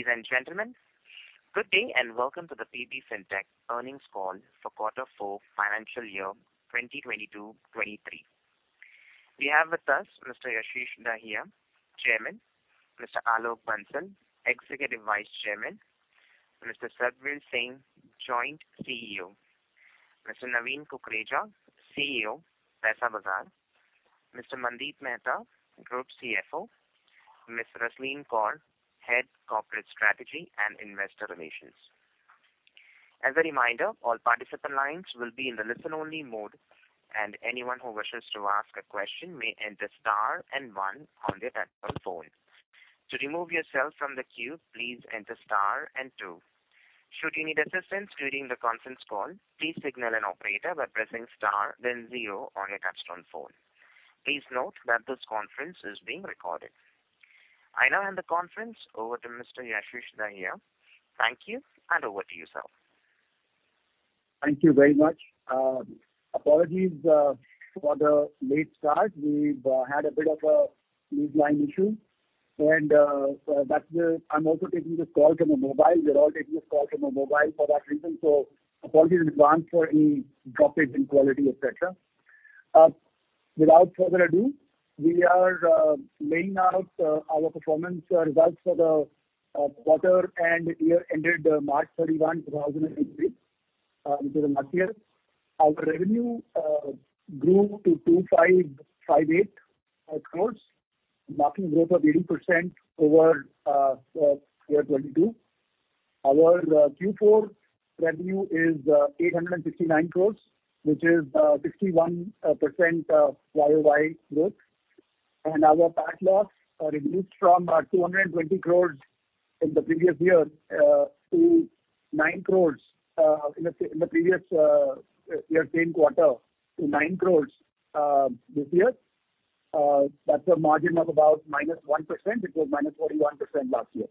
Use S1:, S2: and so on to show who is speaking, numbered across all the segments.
S1: Ladies and gentlemen, good day. Welcome to the PB Fintech earnings call for quarter four, financial year 2022, 2023. We have with us Mr. Yashish Dahiya, Chairman, Mr. Alok Bansal, Executive Vice Chairman, Mr. Sarbvir Singh, Joint Group CEO, Mr. Naveen Kukreja, CEO Paisabazaar, Mr. Mandeep Mehta, Group CFO, Ms. Rasleen Kaur, Head Corporate Strategy and Investor Relations. As a reminder, all participant lines will be in the listen-only mode. Anyone who wishes to ask a question may enter star 1 on their touch-tone phone. To remove yourself from the queue, please enter star 2. Should you need assistance during the conference call, please signal an operator by pressing star 0 on your touch-tone phone. Please note that this conference is being recorded. I now hand the conference over to Mr. Yashish Dahiya. Thank you. Over to you, sir.
S2: Thank you very much. Apologies for the late start. We've had a bit of a lead line issue and that's where I'm also taking this call from a mobile. We're all taking this call from a mobile for that reason. Apologies in advance for any drop in quality, etc. Without further ado, we are laying out our performance results for the quarter and year ended March 31, 2023. Which is a month year. Our revenue grew to 2,558 crores, marking growth of 80% over year 2022. Our Q4 revenue is 859 crores, which is 61% YOY growth. PAT loss reduced from 220 crores in the previous year to 9 crores in the previous year's same quarter to 9 crores this year. That's a margin of about -1%. It was -41% last year.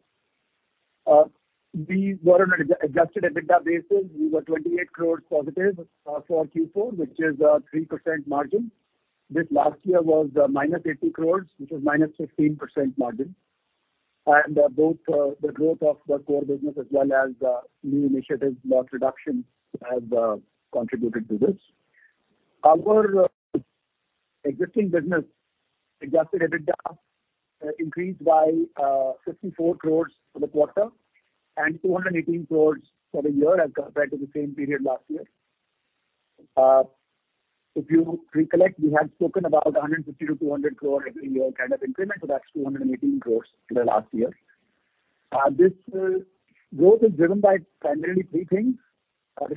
S2: We were on an Adjusted EBITDA basis. We were 28 crores positive for Q4, which is 3% margin. This last year was -80 crores, which is -15% margin. Both the growth of the core business as well as new initiatives, loss reduction have contributed to this. Our existing business Adjusted EBITDA increased by 54 crores for the quarter and 218 crores for the year as compared to the same period last year. If you recollect, we had spoken about 150 crore-200 crore every year kind of increment. That's 218 crore in the last year. This growth is driven by primarily three things.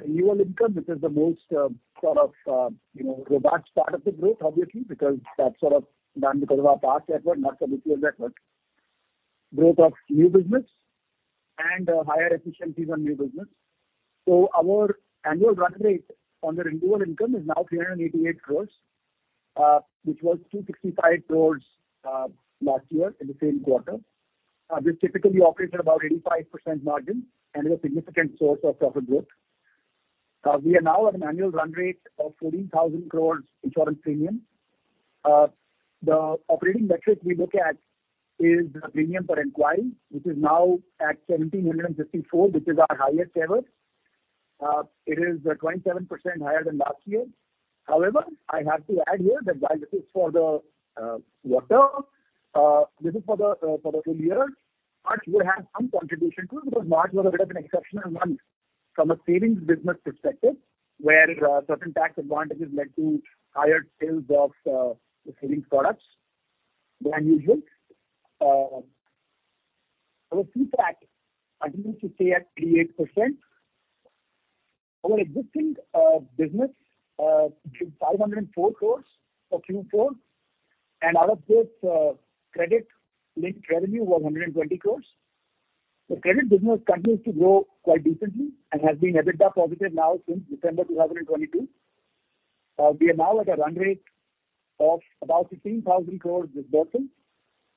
S2: Renewal income, which is the most, you know, robust part of the growth, obviously, because that's sort of done because of our past network, not the B2C network. Growth of new business and higher efficiencies on new business. Our annual run rate on the renewal income is now 388 crore, which was 265 crore last year in the same quarter. This typically operates at about 85% margin and is a significant source of profit growth. We are now at an annual run rate of 14,000 crore insurance premium. The operating metrics we look at is the premium per inquiry, which is now at 1,754, which is our highest ever. It is 27% higher than last year. I have to add here that while this is for the quarter, this is for the for the full year. March will have some contribution too, because March was a bit of an exceptional month from a savings business perspective, where certain tax advantages led to higher sales of the savings products than usual. Our fee pack continues to stay at 88%. Our existing business did 504 crores for Q4. Out of this, credit linked revenue was 120 crores. The credit business continues to grow quite decently and has been EBITDA positive now since December 2022. We are now at a run rate of about 16,000 crore dispersals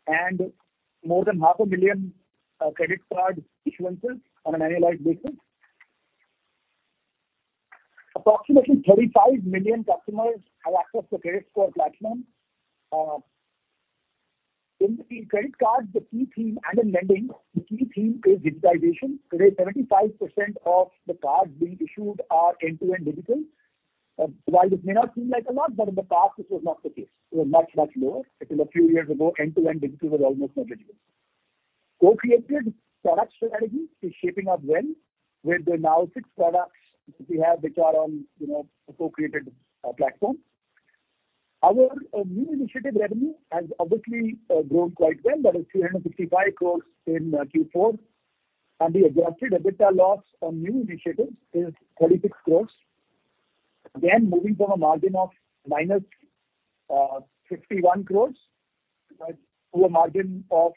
S2: and more than half a million credit card issuances on an annualized basis. Approximately 35 million customers have accessed the credit score platform. In the credit cards, the key theme and in lending, the key theme is digitization. Today, 75% of the cards being issued are end-to-end digital. While this may not seem like a lot, in the past this was not the case. It was much lower. Until a few years ago, end-to-end digital was almost negligible. Co-created product strategy is shaping up well, with now 6 products we have which are on, you know, a co-created platform. Our new initiative revenue has obviously grown quite well. That is 355 crores in Q4. The Adjusted EBITDA loss on new initiatives is 36 crores. Again, moving from a margin of minus 61 crores to a margin of,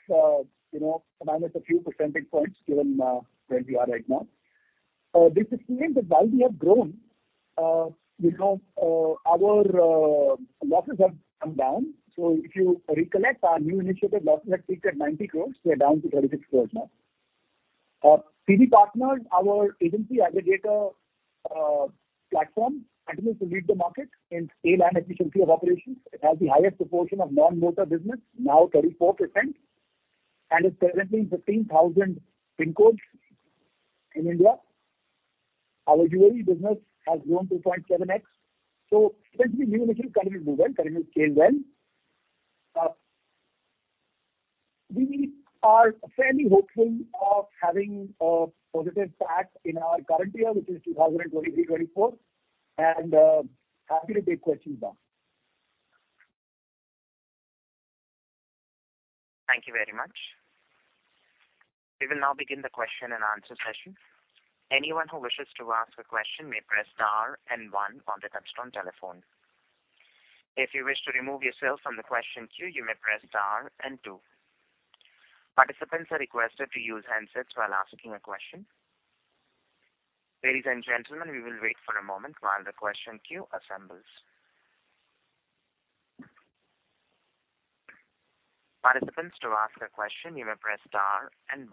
S2: you know, minus a few percentage points given where we are right now. This is clear that while we have grown, you know, our losses have come down. If you recollect, our new initiative losses had peaked at 90 crores. We are down to 36 crores now. PB Partners, our agency aggregator platform continues to lead the market in scale and efficiency of operations. It has the highest proportion of non-motor business, now 34% and is presently in 15,000 PIN codes in India. Our UAE business has grown to 0.7x. Essentially, new initiatives currently doing well, currently scale well. We are fairly hopeful of having a positive PAC in our current year, which is 2023, 2024. Happy to take questions now.
S1: Thank you very much. We will now begin the question and answer session. Anyone who wishes to ask a question may press star and 1 on the touchtone telephone. If you wish to remove yourself from the question queue, you may press star and 2. Participants are requested to use handsets while asking a question. Ladies and gentlemen, we will wait for a moment while the question queue assembles. Participants, to ask a question you may press star and 1.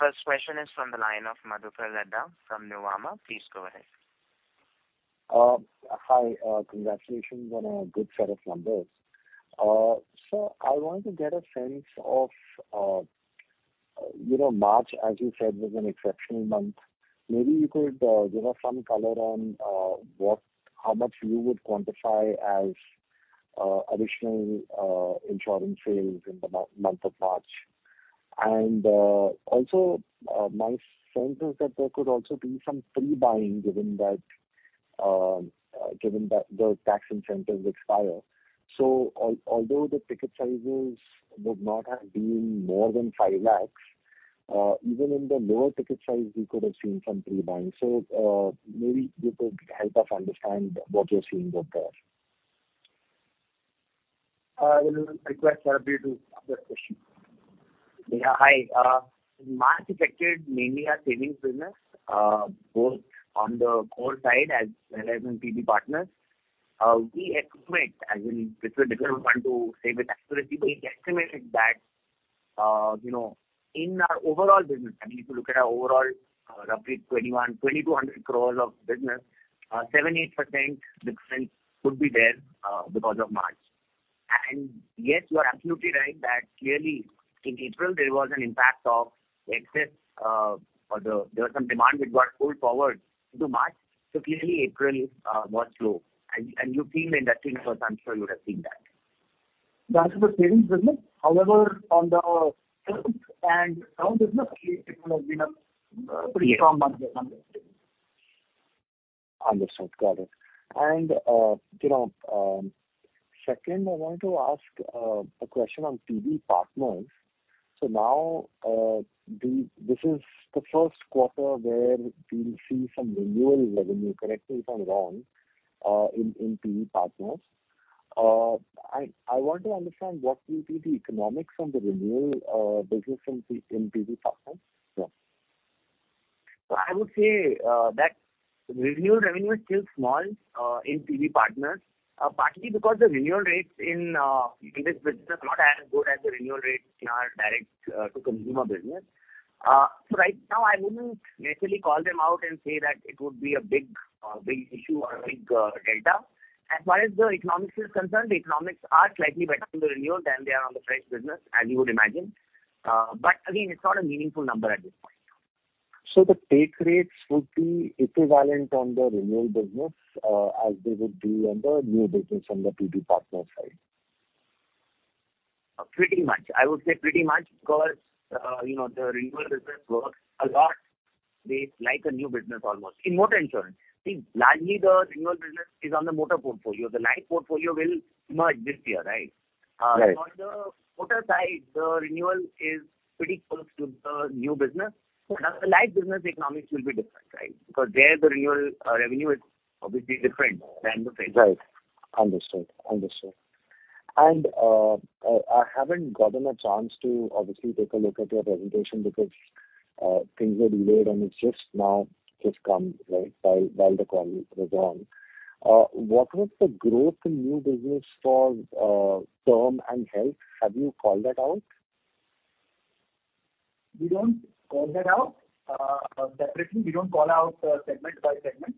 S1: The first question is from the line of Madhukar Ladha from Nuvama. Please go ahead.
S3: Hi. Congratulations on a good set of numbers. I want to get a sense of, you know, March as you said, was an exceptional month. Maybe you could give us some color on how much you would quantify as additional insurance sales in the month of March. Also, my sense is that there could also be some pre-buying given that the tax incentives expire. Although the ticket sizes would not have been more than 5 lakhs, even in the lower ticket size we could have seen some pre-buying. Maybe you could help us understand what you're seeing over there.
S2: I will request Sarbvir to answer this question.
S4: Hi. March affected mainly our savings business, both on the core side as well as in PB Partners. We estimate, I mean, this is a difficult one to say with accuracy, but we estimated that, you know, in our overall business, I mean, if you look at our overall, roughly 2,100-2,200 crores of business, 7-8% difference could be there because of March. Yes, you are absolutely right that clearly in April there was an impact of excess, or there was some demand which got pulled forward into March. Clearly April was low. You've seen in that team because I'm sure you would have seen that.
S2: That's the savings business. On the terms and loan business, clearly April has been a pretty strong month year-on-year.
S3: Understood. Got it. You know, second, I want to ask a question on PB Partners. Now, this is the Q1 where we'll see some renewal revenue, correct me if I'm wrong, in PB Partners. I want to understand what will be the economics of the renewal business in PB Partners.
S4: I would say that renewal revenue is still small in PB Partners, partly because the renewal rates in this business are not as good as the renewal rates in our direct to consumer business. Right now I wouldn't necessarily call them out and say that it would be a big issue or a big delta. As far as the economics is concerned, the economics are slightly better on the renewal than they are on the fresh business as you would imagine. Again, it's not a meaningful number at this point.
S3: The take rates would be equivalent on the renewal business, as they would be on the new business on the PB Partners side?
S4: Pretty much. I would say pretty much because, you know, the renewal business works a lot based like a new business almost in motor insurance. Largely the renewal business is on the motor portfolio. The life portfolio will not exist here, right?
S3: Right.
S4: On the motor side, the renewal is pretty close to the new business. On the life business, the economics will be different, right? There the renewal revenue is obviously different than the fresh.
S3: Right. Understood. Understood. I haven't gotten a chance to obviously take a look at your presentation because, things were delayed and it's just now just come right while the call was on. What was the growth in new business for term and health? Have you called that out?
S2: We don't call that out, separately. We don't call out, segment by segment.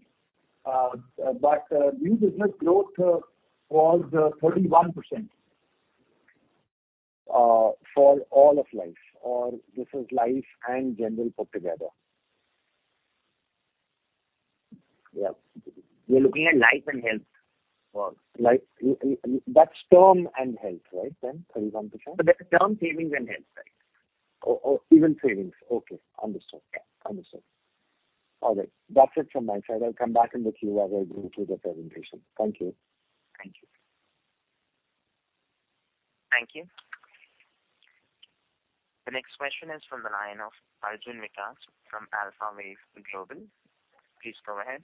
S2: New business growth was, 31%.
S3: For all of life or this is life and general put together?
S4: Yeah. We're looking at life and health.
S3: Life that's term and health, right then, 31%?
S4: That's term, savings and health, right.
S3: Oh, even savings. Okay. Understood.
S4: Yeah.
S3: Understood. All right. That's it from my side. I'll come back in the queue as I go through the presentation. Thank you.
S2: Thank you.
S1: Thank you. The next question is from the line of Arjun Vikas from Alpha Wave Global. Please go ahead.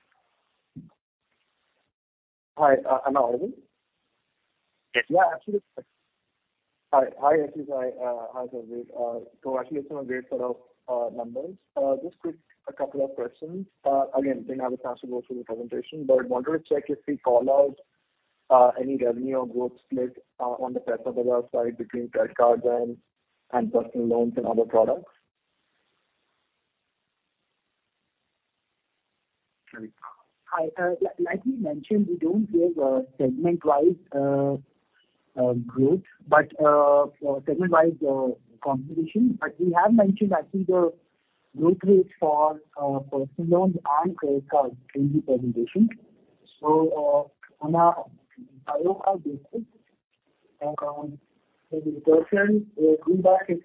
S5: Hi. Am I audible?
S1: Yes.
S2: Yeah, absolutely.
S5: Hi. Hi, AC. Hi, Sarbvir. Actually it's been a great set of numbers. Just quick a couple of questions. Again, didn't have a chance to go through the presentation, but wanted to check if we call out. Any revenue or growth split on the personal loan side between credit cards and personal loans and other products?
S4: Hi, like we mentioned, we don't give segment-wise growth but segment-wise competition. We have mentioned actually the growth rates for personal loans and credit cards in the presentation. On our ROE basis, around maybe personal grew by 53%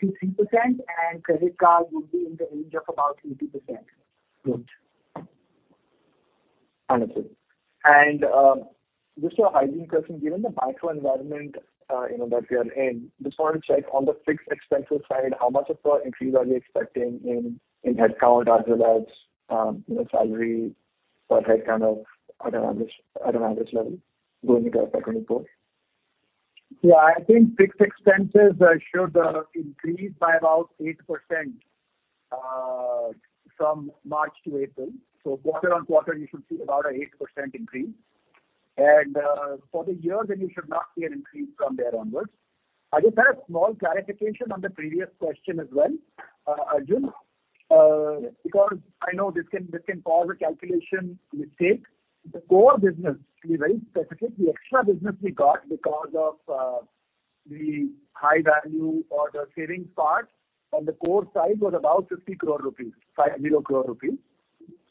S4: and credit card would be in the range of about 80% growth.
S5: Understood. Just a hygiene question. Given the macro environment, you know, that we are in, just want to check on the fixed expenses side, how much of a increase are we expecting in headcount as well as, you know, salary per head, kind of, at an average level going into 2024?
S4: Yeah, I think fixed expenses should increase by about 8% from March to April. Quarter on quarter you should see about a 8% increase. For the year then you should not see an increase from there onwards. I just had a small clarification on the previous question as well, Arjun. Because I know this can cause a calculation mistake. The core business to be very specific, the extra business we got because of the high value or the savings part on the core side was about 50 crore rupees, 50 crore rupees.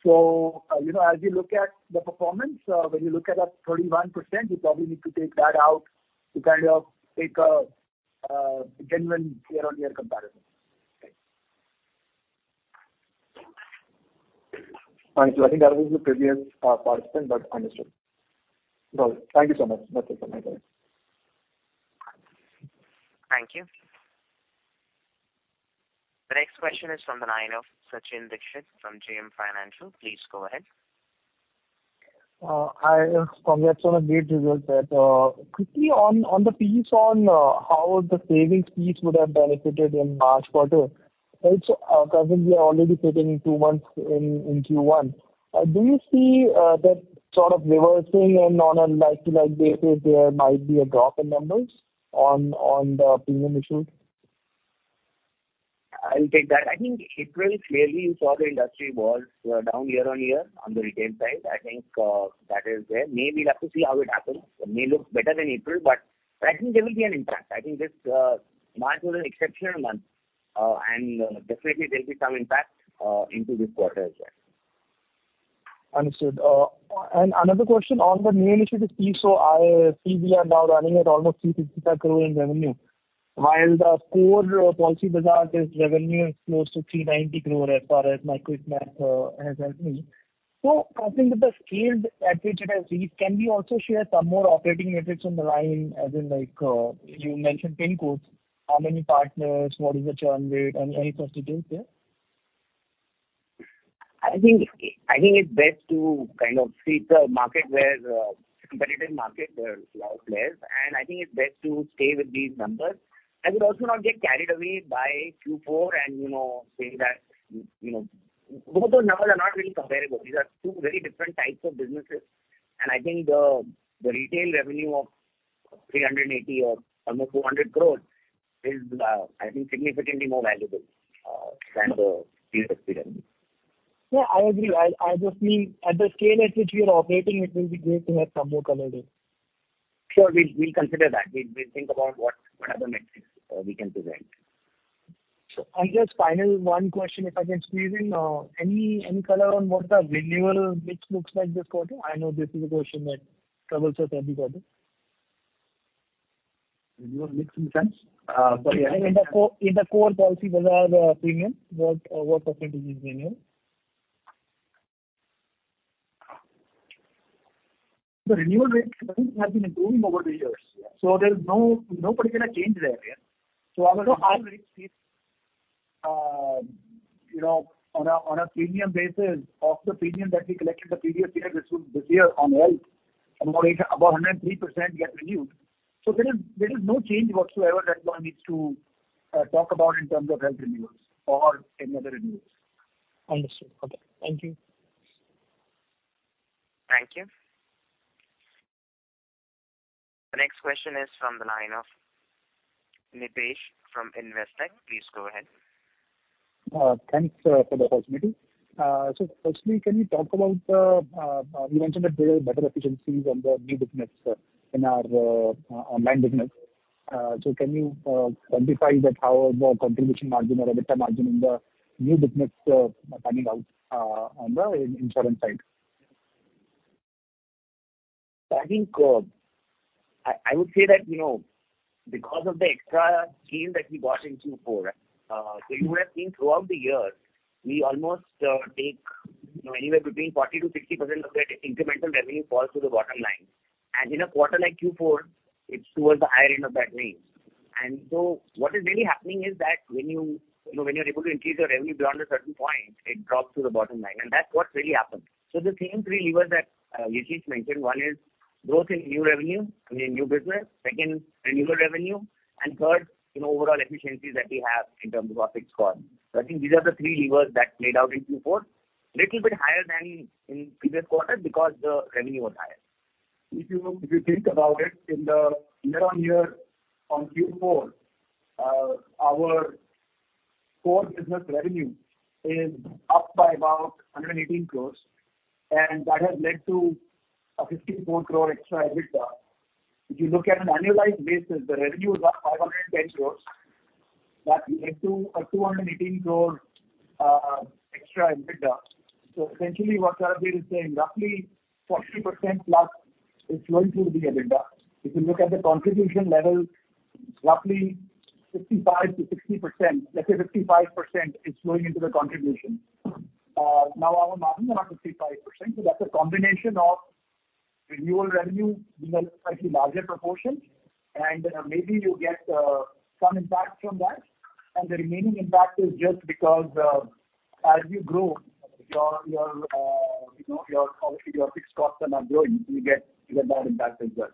S4: You know, as you look at the performance, when you look at that 31% you probably need to take that out to kind of take a genuine year-on-year comparison. Okay.
S3: Thanks. I think that was the previous participant, but understood. No, thank you so much. That's it from my side.
S1: Thank you. The next question is from the line of Sachin Dixit from JM Financial. Please go ahead.
S6: Hi. Congrats on a great result set. Quickly on the piece on how the savings piece would have benefited in March quarter. Right. Currently you're already sitting two months in Q1. Do you see that sort of reversing and on a like-to-like basis there might be a drop in numbers on the premium issue?
S4: I'll take that. I think April clearly you saw the industry was down year-on-year on the retail side. I think that is there. May, we'll have to see how it happens. It may look better than April, but I think there will be an impact. I think this March was an exceptional month, and definitely there'll be some impact into this quarter as well.
S6: Understood. And another question on the new initiatives piece. I see we are now running at almost 355 crore in revenue, while the core Policybazaar's revenue is close to 390 crore as far as my quick math has helped me. I think with the scale at which it has reached, can we also share some more operating metrics on the line as in like, you mentioned PIN codes, how many partners, what is the churn rate? Any, any first details there?
S4: I think it's best to kind of treat the market where the competitive market, there's a lot less, I think it's best to stay with these numbers. I would also not get carried away by Q4 and, you know, saying that, you know. Both those numbers are not really comparable. These are two very different types of businesses. I think the retail revenue of 380 crores or almost 400 crores is, I think significantly more valuable than the previous three revenues.
S6: Yeah, I agree. I just mean at the scale at which we are operating it will be great to have some more color there.
S4: Sure. We'll consider that. We'll think about what other metrics we can present.
S6: Just final one question, if I can squeeze in. Any color on what the renewal mix looks like this quarter? I know this is a question that troubles us every quarter.
S4: Renewal mix in sense?
S6: In the core Policybazaar, premium, what % is renewal? The renewal rate has been improving over the years. There's no particular change there.
S4: Our rate is, you know, on a premium basis of the premium that we collected the previous year, this year on health about 103% get renewed. There is no change whatsoever that one needs to talk about in terms of health renewals or any other renewals.
S6: Understood. Okay. Thank you.
S1: Thank you. The next question is from the line of Nipesh from Investec. Please go ahead.
S7: Thanks for the opportunity. Firstly, can you talk about, you mentioned that there are better efficiencies on the new business in our online business? Can you quantify that how the contribution margin or EBITDA margin in the new business panning out on the insurance side?
S4: I think, I would say that, you know, because of the extra gain that we got in Q4, you would have seen throughout the year, we almost take, you know, anywhere between 40%-60% of that incremental revenue falls to the bottom line. In a quarter like Q4, it's towards the higher end of that range. What is really happening is that when you know, when you're able to increase your revenue beyond a certain point, it drops to the bottom line, and that's what really happened. The same three levers that Yashish's mentioned, one is growth in new revenue, I mean, new business. Second, renewal revenue. Third, you know, overall efficiencies that we have in terms of our fixed cost. I think these are the three levers that played out in Q4.
S2: Little bit higher than in previous quarter because the revenue was higher. If you think about it, in the year-on-year on Q4, our core business revenue is up by about 118 crores, and that has led to a 54 crore extra EBITDA. If you look at an annualized basis, the revenue is up 510 crores. That led to a 218 crores extra EBITDA. Essentially what Rajbir is saying, roughly 40% plus is going through the EBITDA. If you look at the contribution level, roughly 55%-60%, let's say 55% is flowing into the contribution. Now our margin are not 55%, so that's a combination of renewal revenue being a slightly larger proportion. Maybe you get some impact from that. The remaining impact is just because, as you grow your, you know, your fixed costs are not growing, you get that impact as well.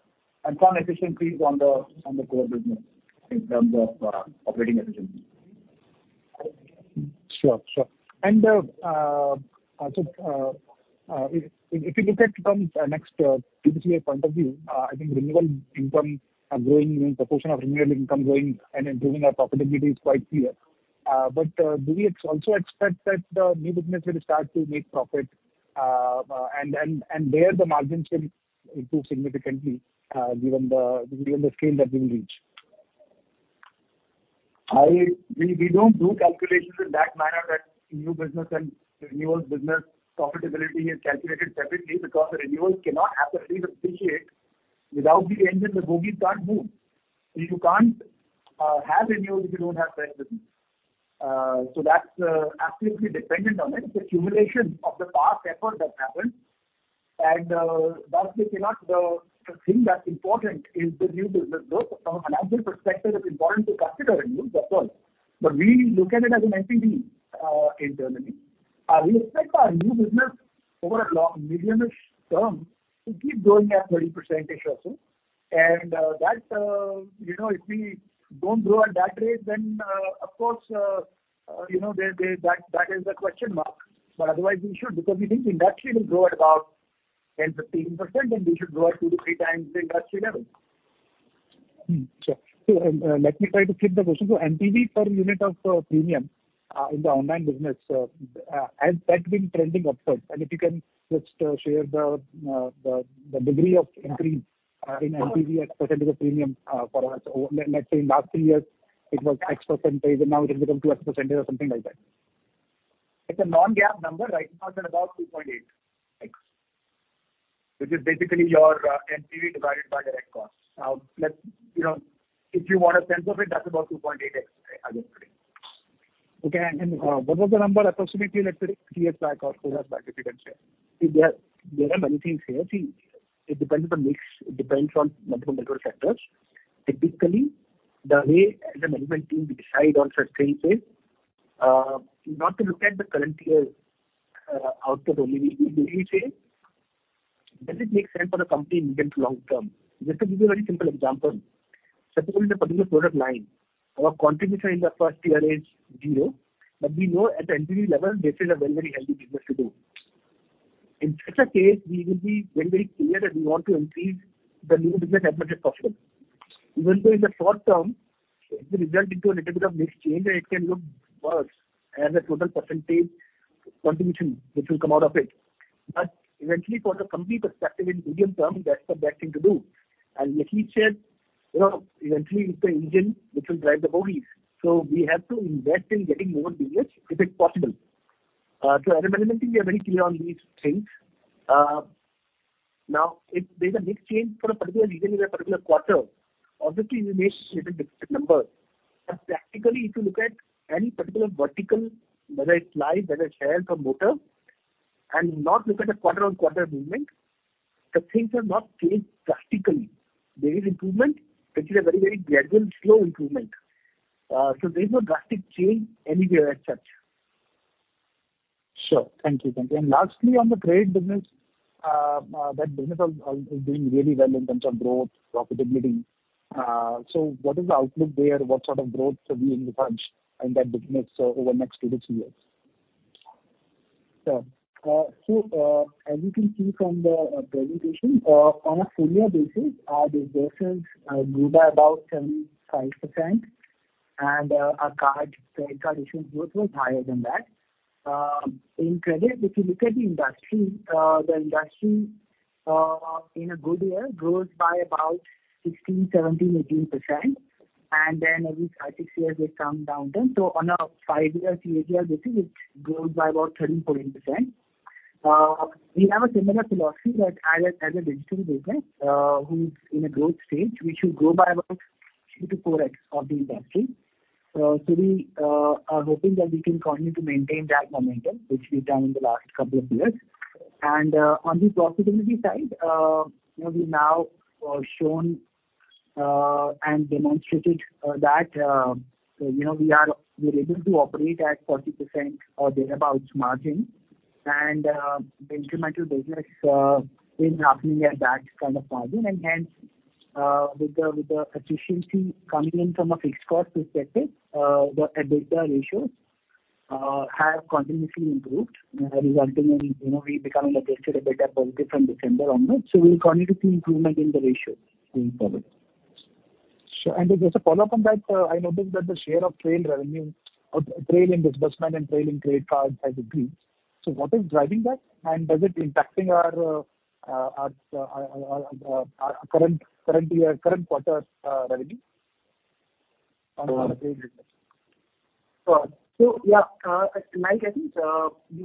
S2: Some efficiency is on the core business in terms of operating efficiency. Sure. Sure. If you look at from next TPV point of view, I think renewal income are growing, you know, proportion of renewal income growing and improving our profitability is quite clear. Do we also expect that the new business will start to make profit, and there the margins will improve significantly, given the scale that we will reach? We don't do calculations in that manner that new business and renewals business profitability is calculated separately because the renewals cannot happen. We appreciate without the engine, the bogies can't move. You can't have renewals if you don't have new business. So that's absolutely dependent on it. It's accumulation of the past effort that happened. Thus we cannot think that's important is the new business growth. From a financial perspective, it's important to consider renewals, that's all. But we look at it as an NPV internally. We expect our new business over a medium-ish term to keep growing at 30% year-over-year. That, you know, if we don't grow at that rate then, of course, you know, there... That, that is the question mark. But otherwise, we should because we think industry will grow at about 10%-15%, and we should grow at 2 to 3 times the industry level. Mm-hmm. Sure. Let me try to flip the question. NPV per unit of premium in the online business has that been trending upwards? If you can just share the degree of increase in NPV as % of premium for us. Let's say in last 3 years it was X%, and now it has become 2X% or something like that. It's a non-GAAP number. Right now it's at about 2.8x, which is basically your NPV divided by direct costs. Let's, you know, if you want a sense of it, that's about 2.8x as of today. Okay. And what was the number approximately, let's say 3 years back or 4 years back, if you can share? See, there are many things here. See, it depends on mix, it depends on multiple factors. Typically, the way as a management team we decide on such things is not to look at the current year output only. We say, "Does it make sense for the company medium to long term?" Just to give you a very simple example. Suppose in a particular product line, our contribution in the first year is zero. We know at the NPV level this is a very, very healthy business to do. In such a case, we will be very, very clear that we want to increase the new business as much as possible. In the short term it will result into a little bit of mix change and it can look worse as a total % contribution which will come out of it. Eventually for the company perspective in medium term, that's the best thing to do. Let me share, you know, eventually it's the engine which will drive the bogies. We have to invest in getting more business if it's possible. So as a management team, we are very clear on these things. Now if there's a mix change for a particular reason in a particular quarter, obviously we may see a little different number. Practically, if you look at any particular vertical, whether it's life, whether it's health or motor, and not look at a quarter-on-quarter movement, the things have not changed drastically. There is improvement, which is a very, very gradual slow improvement. So there's no drastic change anywhere as such. Sure. Thank you. Thank you. Lastly, on the trade business, that business is doing really well in terms of growth, profitability. What is the outlook there? What sort of growth should we envisage in that business over next 2 to 3 years? Sure. As you can see from the presentation, on a full year basis, this business grew by about 10-5%. Our card, credit card issuance growth was higher than that. In credit, if you look at the industry, the industry in a good year grows by about 16, 17, 18%. Every 5, 6 years we have some downturn. On a 5-year, 3-year basis, it grows by about 13, 14%. We have a similar philosophy that as a digital business, who is in a growth stage, we should grow by about 2-4x of the industry. We are hoping that we can continue to maintain that momentum, which we've done in the last couple of years. On the profitability side, you know, we've now shown and demonstrated that, you know, we're able to operate at 40% or thereabout margin. The incremental business is roughly at that kind of margin. Hence, with the efficiency coming in from a fixed cost perspective, the EBITDA ratios have continuously improved, resulting in, you know, we becoming a little bit better positive from December onwards. We'll continue to see improvement in the ratio going forward. Sure. Just a follow-up on that, I noticed that the share of trail revenue or trail in disbursement and trail in credit cards has increased. What is driving that? Does it impacting our current, currently, current quarter's revenue on our trade business? Sure. Yeah, like I think,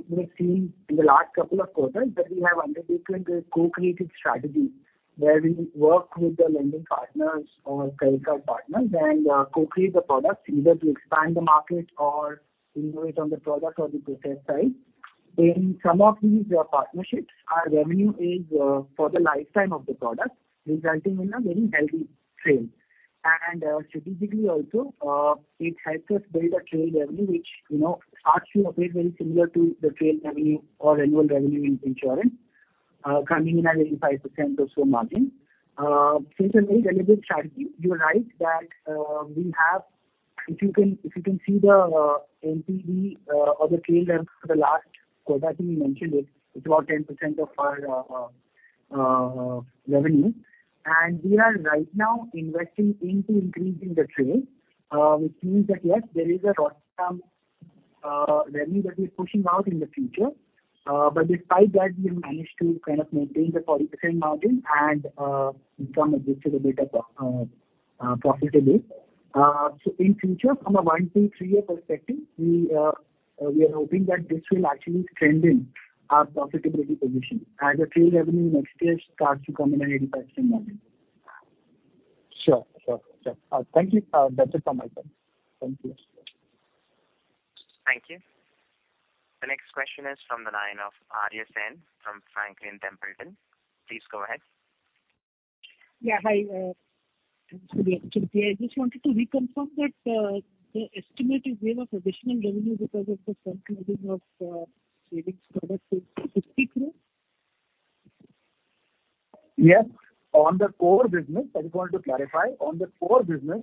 S2: we've seen in the last couple of quarters that we have undertaken a co-creative strategy where we work with the lending partners or credit card partners and co-create the products either to expand the market or innovate on the product or the process side. In some of these partnerships, our revenue is for the lifetime of the product, resulting in a very healthy trail. Strategically also, it helps us build a trail revenue which, you know, actually appears very similar to the trail revenue or annual revenue in insurance, coming in at 85% or so margin. Since a very valuable strategy, you're right. If you can, if you can see the NPE or the trail revenue for the last quarter, I think we mentioned it's about 10% of our revenue. We are right now investing into increasing the trail, which means that, yes, there is a one-time revenue that is pushing out in the future. Despite that, we have managed to kind of maintain the 40% margin and become a little bit profitable. In future, from a 1-3 year perspective, we are hoping that this will actually strengthen our profitability position as the trail revenue next year starts to come in at 85% margin. Sure. Thank you. That's it from my side. Thank you.
S1: Thank you. The next question is from the line of Arya Sen from Franklin Templeton. Please go ahead.
S8: Yeah. Hi, this is Arya Sen. I just wanted to reconfirm that the estimated wave of additional revenue because of the frontloading of savings product is INR 50 crore?
S2: Yes. On the core business, I just wanted to clarify. On the core business,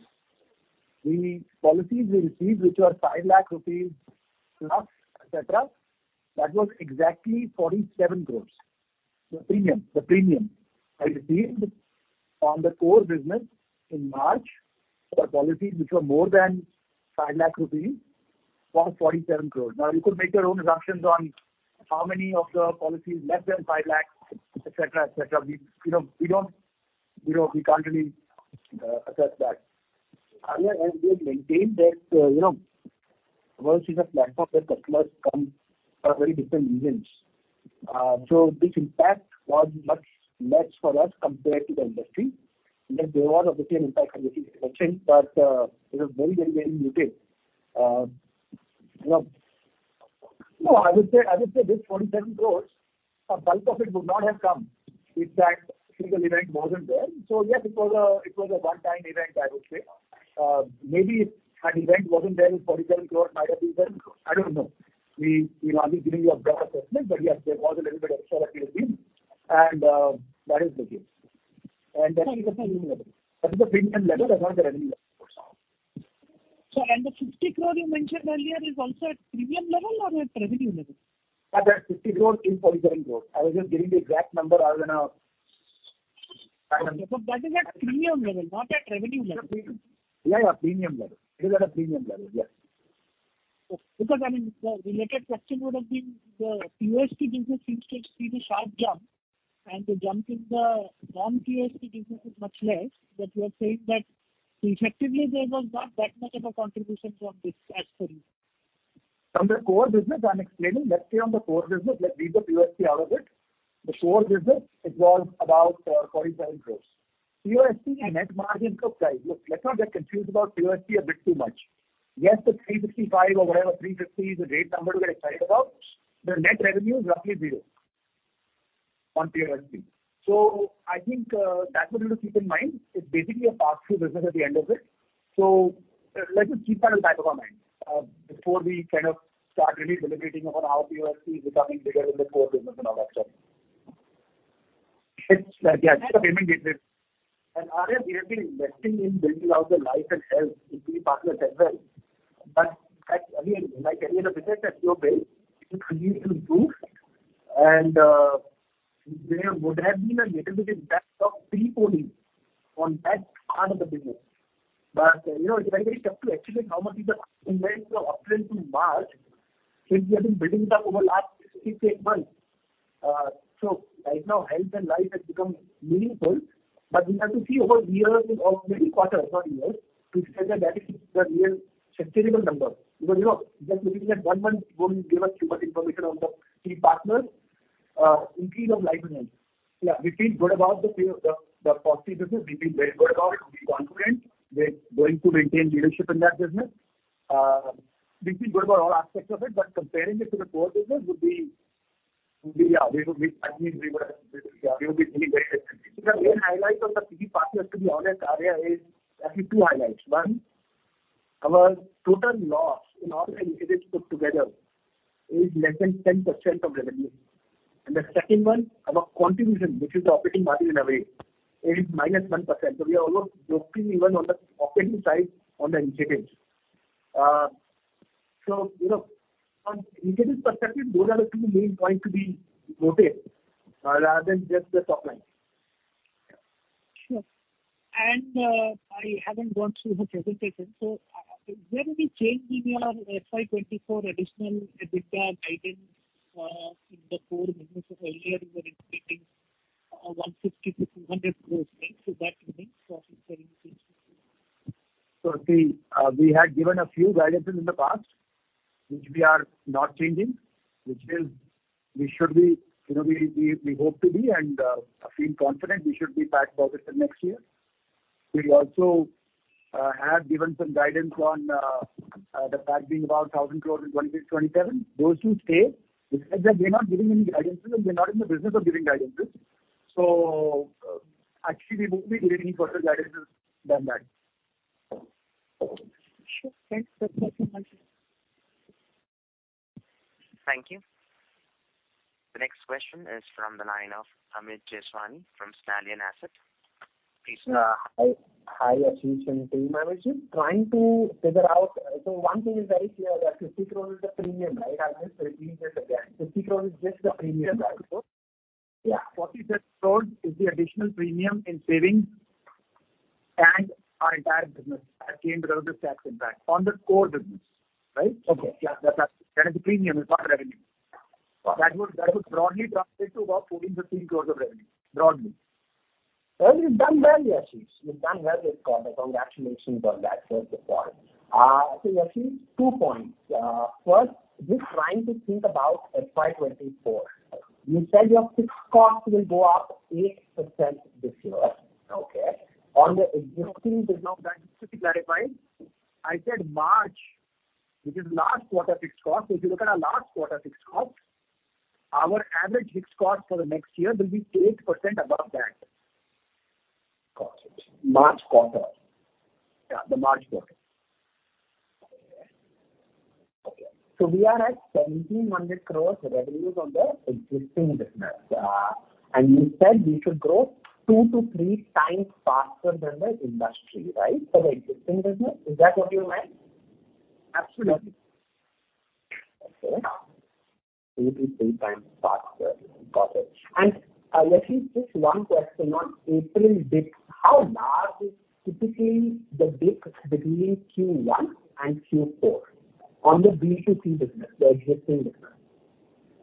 S2: the policies we received which were 5 lakh rupees plus, et cetera, that was exactly 47 crore. The premium I received on the core business in March for policies which were more than 5 lakh rupees was 47 crore. You could make your own assumptions on how many of the policies less than 5 lakh, et cetera, et cetera. We, you know, we don't, you know, we can't really assess that. Arya, we have maintained that, you know, once it's a platform where customers come for very different reasons. This impact was much less for us compared to the industry. There was obviously an impact on the industry, but, it was very, very, very muted. You know. No, I would say, I would say this 47 crore, a bulk of it would not have come if that single event wasn't there. Yes, it was a one-time event, I would say. Maybe if that event wasn't there, this 47 crore might have been 10 crore. I don't know. We, you know, I'm just giving you a broad assessment. Yes, there was a little bit of extra that we have seen, and that is the case. That is the premium level, that's not the revenue level for sure.
S8: The 50 crore you mentioned earlier is also at premium level or at revenue level?
S2: That 50 crore is 47 crore. I was just giving the exact number rather than.
S8: Okay. That is at premium level, not at revenue level.
S2: Yeah. Premium level. It is at a premium level, yes.
S8: I mean, the related question would have been the PST business seems to have seen a sharp jump, and the jump in the non-PST business is much less. You are saying that effectively there was not that much of a contribution from this as per you.
S2: From the core business, I'm explaining, let's say on the core business, let's leave the PST out of it. The core business, it was about, 47 crores. PST net margin took dive. Look, let's not get confused about PST a bit too much. Yes, the 365 or whatever, 350 is a great number to get excited about. The net revenue is roughly 0 on PST. I think, that's what you need to keep in mind. It's basically a pass-through business at the end of it. Let's just keep that at the back of our mind, before we kind of start really deliberating on how PST is becoming bigger than the core business and all that stuff. It's like, yeah, it's a payment gateway. Arya, we have been investing in building out the life and health with the partners as well. Again, like I said, a business that's low base, it will continue to improve and there would have been a little bit of backdrop pre-COVID on that part of the business. You know, it's very, very tough to actually how much is the increment of April to March since we have been building it up over the last 6, 8 months. So right now health and life has become meaningful, but we have to see over years or maybe quarters, not years, to say that that is the real sustainable number. You know, just looking at 1 month won't give us too much information on the 3 partners, increase of life and health. Yeah. We feel good about the policy business. We feel very good about it. We're confident we're going to maintain leadership in that business. We feel good about all aspects of it, but comparing it to the core business would be, we would be, I think we would be very. The main highlight of the three partners, to be honest, Arya, is actually two highlights. One. Our total loss in all the initiatives put together is less than 10% of revenue. The second one, our contribution, which is the operating margin in a way, is minus 1%. We are almost breaking even on the operating side on the initiatives. You know, from initiatives perspective, those are the two main points to be noted, rather than just the top line.
S8: Sure. I haven't gone through the presentation. Is there any change in your FY 2024 additional EBITDA guidance in the core business? Earlier you were expecting 150 crore-200 crore, right? That remains constant.
S2: The, we had given a few guidances in the past, which we are not changing, which is we should be, you know, we hope to be and feel confident we should be back positive next year. We also, have given some guidance on the PAC being about 1,000 crores in 2026, 2027. Those two stay. With that said, we are not giving any guidances and we are not in the business of giving guidances. Actually we won't be giving any further guidances than that.
S8: Sure. Thanks. That's all from my side.
S1: Thank you. The next question is from the line of Amit Jeswani from Stallion Asset. Please go ahead.
S9: Hi, Yashish and team. I was just trying to figure out. One thing is very clear that 50 crores is the premium, right? I'll just repeat it again. 50 crores is just the premium, right? 46 crores is the additional premium in savings and our entire business that came because of this tax impact on the core business. Right? That is the premium and not the revenue. Got it. That would broadly translate to about 14-15 crores of revenue. Broadly. You've done well, Yashish. You've done well with core. Congratulations on that. That's the point. Yashish, two points. First, just trying to think about FY 2024. You said your fixed costs will go up 8% this year. On the just to be clarified, I said March, which is last quarter fixed cost.
S2: If you look at our last quarter fixed cost, our average fixed cost for the next year will be 8% above that. Got it. March quarter. The March quarter. Okay. We are at 1,700 crores revenues on the existing business. You said we should grow two to three times faster than the industry, right? For the existing business. Is that what you meant? Absolutely. Okay. Two to three times faster. Got it. Yashish, just one question on April dip. How large is typically the dip between Q1 and Q4 on the B2C business, the existing business?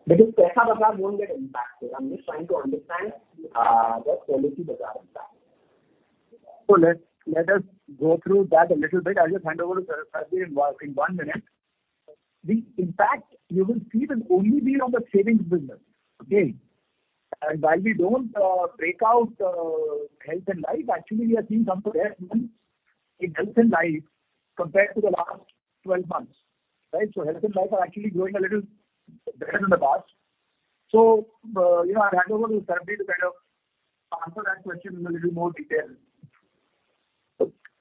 S2: Because cash advance won't get impacted. I'm just trying to understand what quality of that impact. Let us go through that a little bit. I'll just hand over to Sarbvir in one minute. The impact you will see will only be on the savings business. Okay. While we don't break out health and life, actually we are seeing some momentum in health and life compared to the last 12 months. Health and life are actually growing a little better than the past. You know, I'll hand over to Sarbvir to kind of answer that question in a little more detail.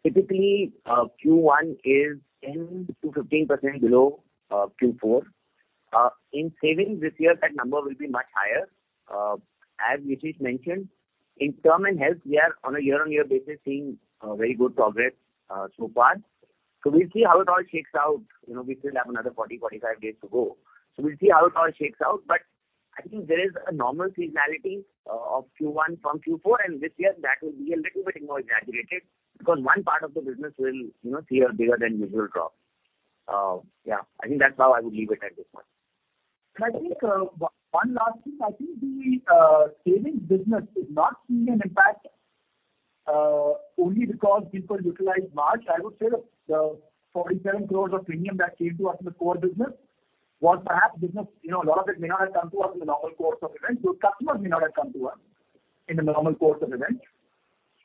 S4: Typically, Q1 is 10%-15% below Q4. In savings this year, that number will be much higher. As Yashish mentioned, in term and health, we are on a year-on-year basis seeing very good progress so far. We'll see how it all shakes out. You know, we still have another 40-45 days to go. We'll see how it all shakes out. I think there is a normal seasonality of Q1 from Q4, and this year that will be a little bit more exaggerated because one part of the business will, you know, see a bigger than usual drop. Yeah, I think that's how I would leave it at this point.
S2: I think one last thing. I think the savings business is not seeing an impact only because people utilized March. I would say the 47 crores of premium that came to us in the core business was perhaps business, you know, a lot of it may not have come to us in the normal course of events. Customers may not have come to us in the normal course of events.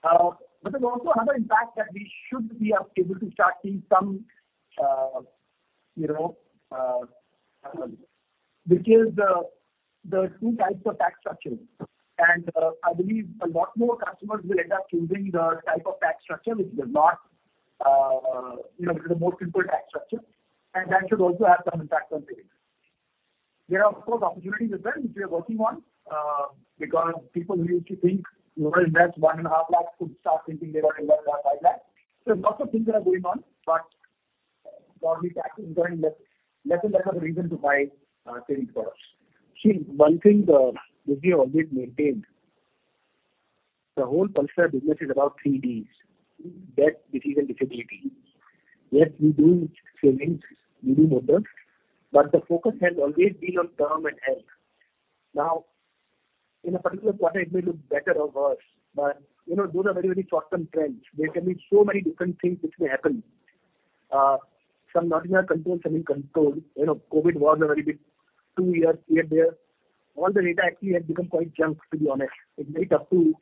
S2: There's also another impact that we should be able to start seeing some, you know, which is the two types of tax structures. I believe a lot more customers will end up choosing the type of tax structure which is a lot, you know, which is a more simple tax structure. That should also have some impact on savings. There are, of course, opportunities as well which we are working on, because people who used to think they will invest 1.5 lakh could start thinking they want to invest 5 lakh. Lots of things that are going on, but probably tax is going less and less of a reason to buy savings products. One thing the, which we have always maintained, the whole Pulsar business is about three Ds: debt, disease, and disability. We do savings, we do kudos, but the focus has always been on term and health. In a particular quarter, it may look better or worse, but you know, those are very, very short-term trends. There can be so many different things which may happen. Some not in our control, some in control. You know, COVID was a very big two years here and there. All the data actually had become quite junk, to be honest. It's very tough to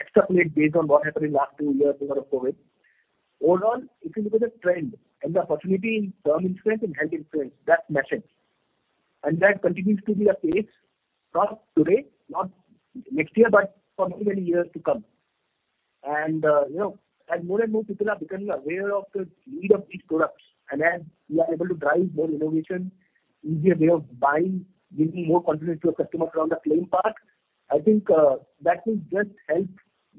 S2: extrapolate based on what happened in last 2 years because of COVID. Overall, if you look at the trend and the opportunity in term insurance and health insurance, that's massive. That continues to be the case not today, not next year, but for many, many years to come. you know, as more and more people are becoming aware of the need of these products, and as we are able to drive more innovation, easier way of buying, giving more confidence to a customer around the claim part. I think that will just help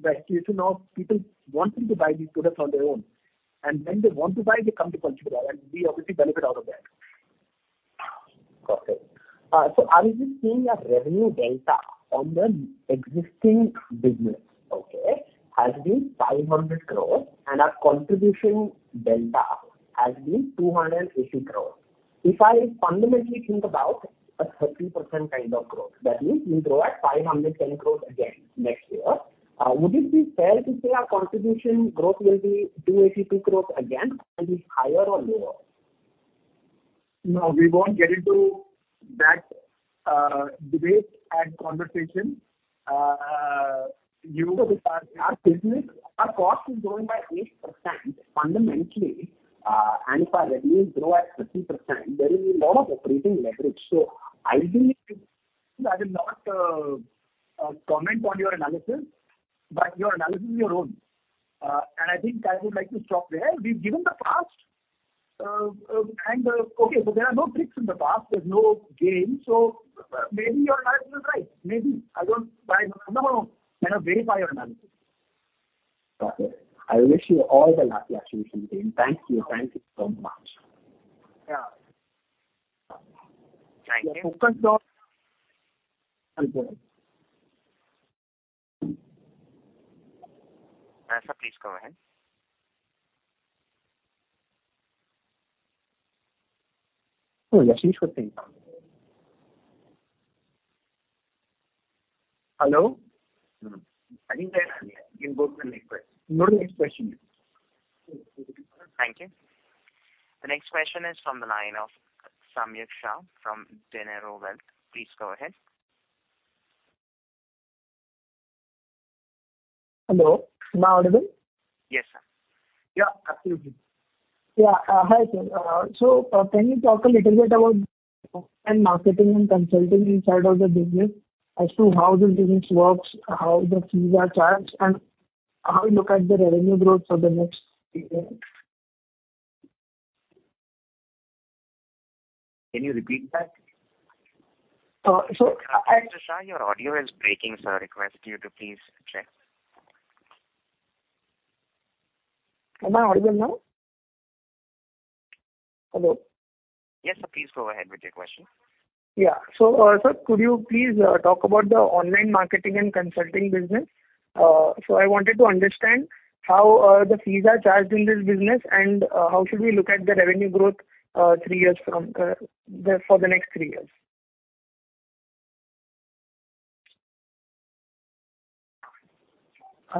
S2: the situation of people wanting to buy these products on their own. When they want to buy, they come to Policybazaar, and we obviously benefit out of that.
S9: Perfect. Are we seeing a revenue delta on the existing business, okay, has been 500 crore and our contribution delta has been 280 crore. If I fundamentally think about a 30% kind of growth, that means we grow at 510 crore again next year. Would it be fair to say our contribution growth will be 282 crore again? Will it be higher or lower?
S2: No, we won't get into that debate and conversation. You know, because our business, our cost is growing by 8% fundamentally. If our revenues grow at 30%, there is a lot of operating leverage. Ideally, I will not comment on your analysis, but your analysis is your own. I think I would like to stop there. We've given the past. And, okay. There are no tricks in the past. There's no game. Maybe your analysis is right. Maybe. I don't... I'm not gonna, you know, verify your analysis.
S9: Got it. I wish you all the luck actually this game. Thank you. Thank you so much.
S2: Yeah.
S9: Thank you.
S2: Your focus was important.
S9: Sir, please go ahead.
S2: Oh, Yashish Dahiya. Hello?
S4: I think they're done. You can go to the next question.
S2: No next question.
S1: Thank you. The next question is from the line of Sameer Shah from DeNero Wealth. Please go ahead.
S10: Hello, am I audible?
S4: Yes, sir.
S2: Yeah, absolutely.
S10: Yeah. Hi, sir. Can you talk a little bit about, you know, end marketing and consulting inside of the business as to how the business works, how the fees are charged, and how you look at the revenue growth for the next few years?
S2: Can you repeat that?
S10: Uh, so I-
S4: Mr. Shah, your audio is breaking, sir. I request you to please check.
S10: Am I audible now? Hello.
S4: Yes, sir. Please go ahead with your question.
S10: Yeah. Sir, could you please talk about the online marketing and consulting business? I wanted to understand how the fees are charged in this business and how should we look at the revenue growth three years from there for the next three years.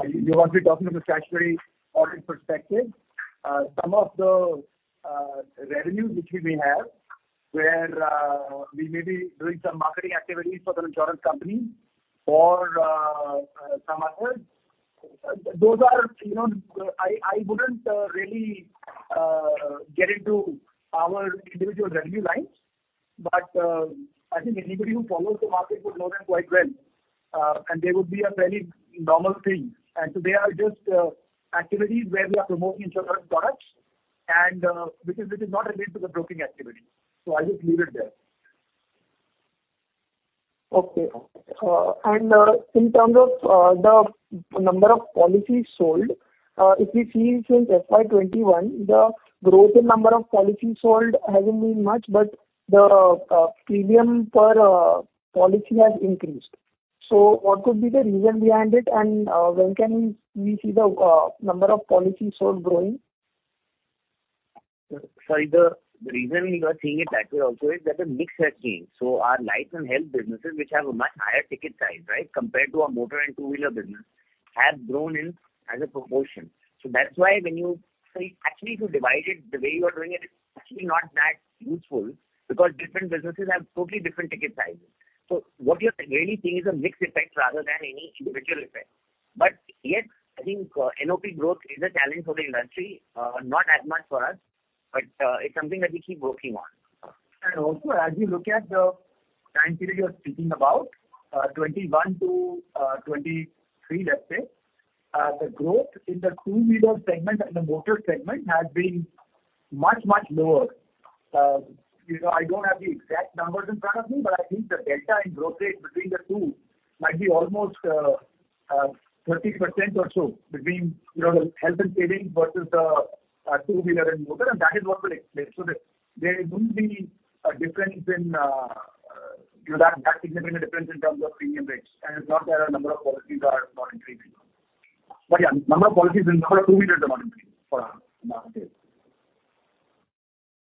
S2: You want me talking from a statutory audit perspective. Some of the revenues which we may have, where we may be doing some marketing activities for the insurance company or some others. Those are, you know, I wouldn't really get into our individual revenue lines. I think anybody who follows the market would know them quite well. They would be a very normal thing. They are just activities where we are promoting insurance products and because it is not related to the broking activity. I'll just leave it there.
S10: Okay. In terms of the number of policies sold, if we see since FY 2021, the growth in number of policies sold hasn't been much, but the premium per policy has increased. What could be the reason behind it? When can we see the number of policies sold growing?
S4: Sorry. The reason you are seeing it that way also is that the mix has changed. Our life and health businesses, which have a much higher ticket size, right, compared to our motor and two-wheeler business, have grown in as a proportion. That's why when you... Sorry. Actually, if you divide it the way you are doing it's actually not that useful because different businesses have totally different ticket sizes. What you're really seeing is a mix effect rather than any individual effect. Yes, I think NOP growth is a challenge for the industry. Not that much for us, but it's something that we keep working on.
S2: As you look at the time period you're speaking about, 2021 to 2023, let's say, the growth in the two-wheeler segment and the motor segment has been much, much lower. You know, I don't have the exact numbers in front of me, but I think the delta in growth rate between the two might be almost 30% or so between, you know, the health and savings versus the two-wheeler and motor, and that is what will explain. There wouldn't be a difference in, you know, that significant a difference in terms of premium rates. It's not that our number of policies are not increasing. Yeah, number of policies and number of two-wheelers are not increasing for us nowadays.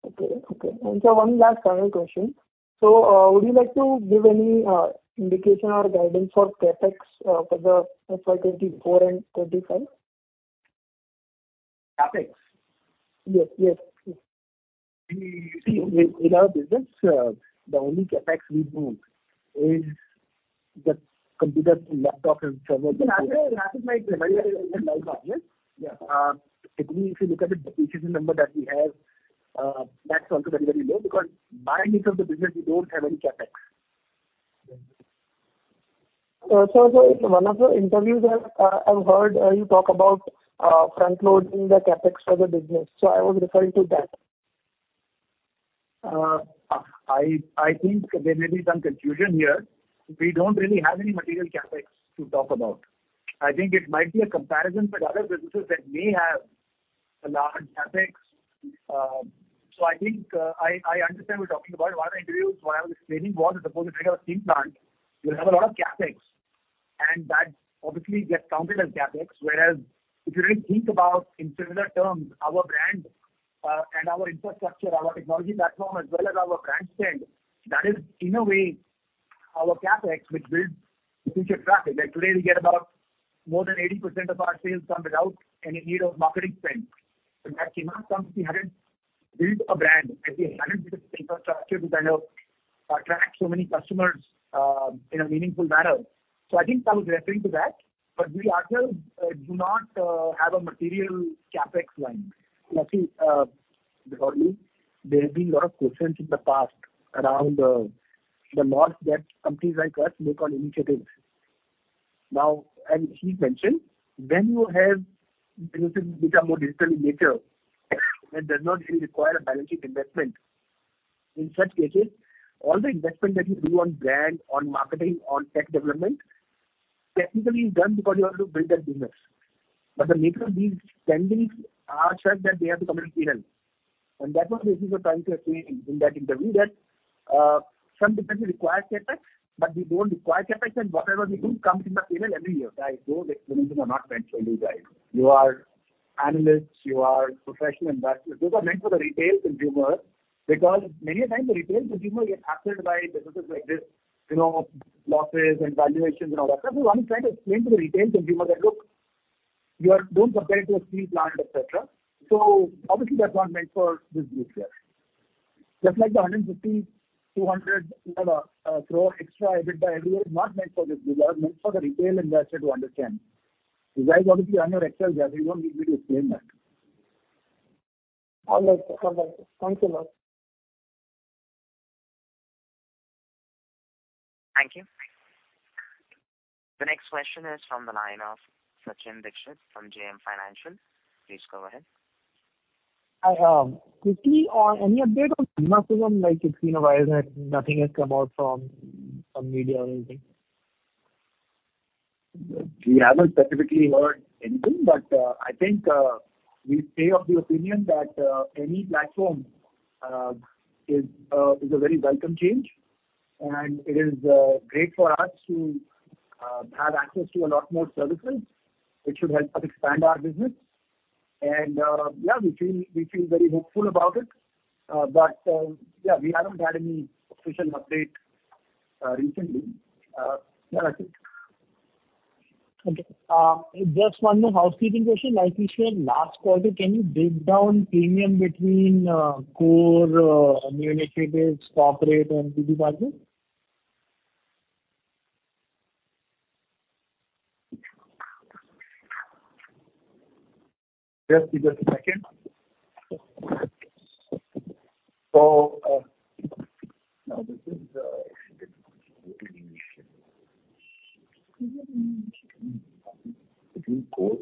S10: Okay. Okay. Sir, one last final question. Would you like to give any indication or guidance for CapEx for the FY 2024 and 2025?
S2: CapEx?
S10: Yes. Yes.
S2: See, in our business, the only CapEx we do is The computer, laptop and server.
S10: I think my Yeah.
S2: If you look at the PC number that we have, that's also very, very low because by nature of the business we don't have any CapEx.
S10: In one of your interviews I've heard you talk about front loading the CapEx for the business. I was referring to that.
S2: I think there may be some confusion here. We don't really have any material CapEx to talk about. I think it might be a comparison with other businesses that may have a large CapEx. I think I understand we're talking about one of the interviews where I was explaining was that suppose if I have a steel plant, you'll have a lot of CapEx, and that obviously gets counted as CapEx. Whereas if you really think about in similar terms, our brand, and our infrastructure, our technology platform as well as our brand spend, that is in a way our CapEx which builds future traffic. Like today we get about more than 80% of our sales come without any need of marketing spend. That demand comes, we haven't built a brand and we haven't built a infrastructure to kind of attract so many customers, in a meaningful manner. I think I was referring to that. We as well, do not have a material CapEx line. See, Gaurav, there have been a lot of questions in the past around the loss that companies like us make on initiatives. As he mentioned, when you have businesses become more digital in nature and does not really require a balancing investment, in such cases, all the investment that you do on brand, on marketing, on tech development technically is done because you have to build that business. The nature of these spendings are such that they have to come in P&L. That was basically the point you are saying in that interview that some businesses require CapEx, but we don't require CapEx, and whatever we do comes in the P&L every year. Guys, those explanations are not meant for you guys. You are analysts, you are professional investors. Those are meant for the retail consumer because many a times the retail consumer get hassled by businesses like this, you know, losses and valuations and all that. One is trying to explain to the retail consumer that, "Look, don't compare it to a steel plant, et cetera." Obviously that's not meant for this group here. Just like the 150 crore-200 crore extra EBITDA every year is not meant for this group. That was meant for the retail investor to understand. You guys obviously on your Excel sheet, you don't need me to explain that.
S10: All right, sir. All right, sir. Thank you a lot.
S1: Thank you. The next question is from the line of Sachin Dixit from JM Financial. Please go ahead.
S6: I quickly on any update on Bima Sugam, like it's been a while that nothing has come out from media or anything.
S2: We haven't specifically heard anything. I think we stay of the opinion that any platform is a very welcome change, and it is great for us to have access to a lot more services which should help us expand our business. Yeah, we feel very hopeful about it. Yeah, we haven't had any official update recently. Yeah, I think.
S6: Okay. Just one more housekeeping question. Like we said last quarter, can you break down premium between core, new initiatives, corporate and PB Partners?
S2: Just give us a second. Yeah. Okay. I'll give you the new initiative. We'll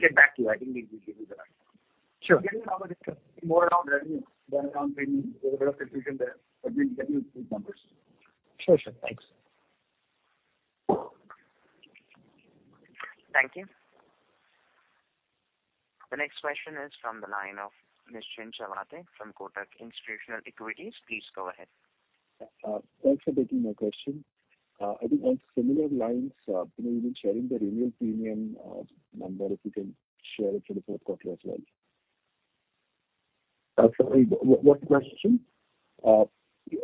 S2: get back to you. I think we'll give you the right one.
S6: Sure.
S2: Again, it's more around revenue than around premium. There's a bit of confusion there, but we'll get you these numbers.
S6: Sure, sure. Thanks.
S1: Thank you. The next question is from the line of Ms. Nischint Chawathe from Kotak Institutional Equities. Please go ahead.
S11: Thanks for taking my question. I think on similar lines, you know, you've been sharing the renewal premium number. If you can share it for the Q4 as well.
S2: Sorry, what question?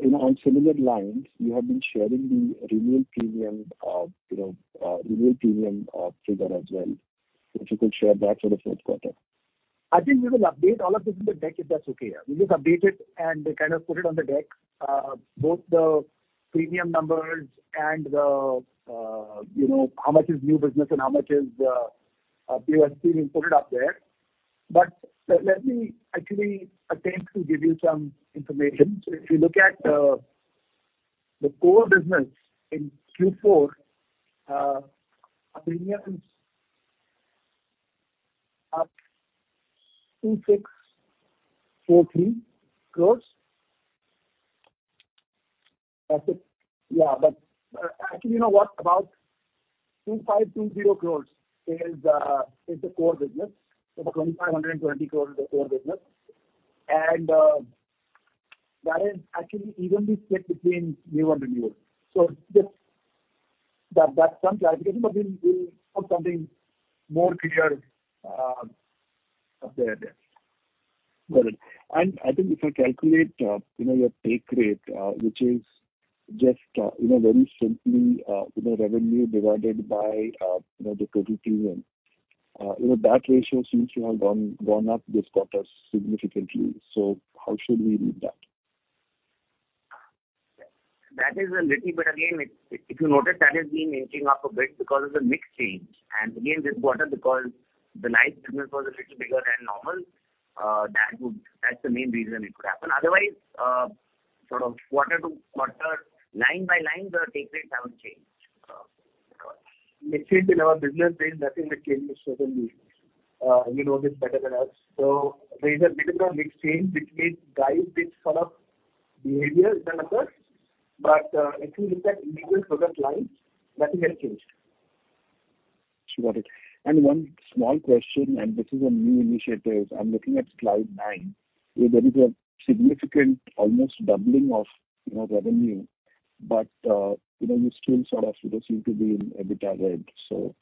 S11: you know, on similar lines, you have been sharing the renewal premium, you know, renewal premium figure as well. If you could share that for the Q4.
S2: I think we will update all of this in the deck, if that's okay. We'll just update it and kind of put it on the deck. Both the premium numbers and the, you know, how much is new business and how much is previous premium. We'll put it up there. Let me actually attempt to give you some information. If you look at the core business in Q4, our premium is up INR 2,643 crores. That's it. Yeah. Actually, you know what? About 2,520 crores is the core business. About INR 2,520 crores is the core business. That is actually evenly split between new and renewal. Just that's some clarification, but we'll put something more clear up there.
S11: Got it. I think if I calculate, you know, your take rate, which is just, you know, very simply, you know, revenue divided by, you know, the total PM. You know, that ratio seems to have gone up this quarter significantly. How should we read that?
S4: That is a little bit. Again, if you notice that has been inching up a bit because of the mix change. Again, this quarter because the nice business was a little bigger than normal, that's the main reason it could happen. Otherwise, sort of quarter to quarter, line by line, the take rates haven't changed at all.
S2: Mix change in our business means nothing but change in certain needs. You know this better than us. There is a little bit of mix change between guides, which sort of behavior that occurs. If you look at individual product lines, nothing has changed.
S11: Got it. One small question, and this is on new initiatives. I'm looking at slide nine, where there is a significant almost doubling of, you know, revenue. You know, you still sort of, you know, seem to be in EBITDA red. You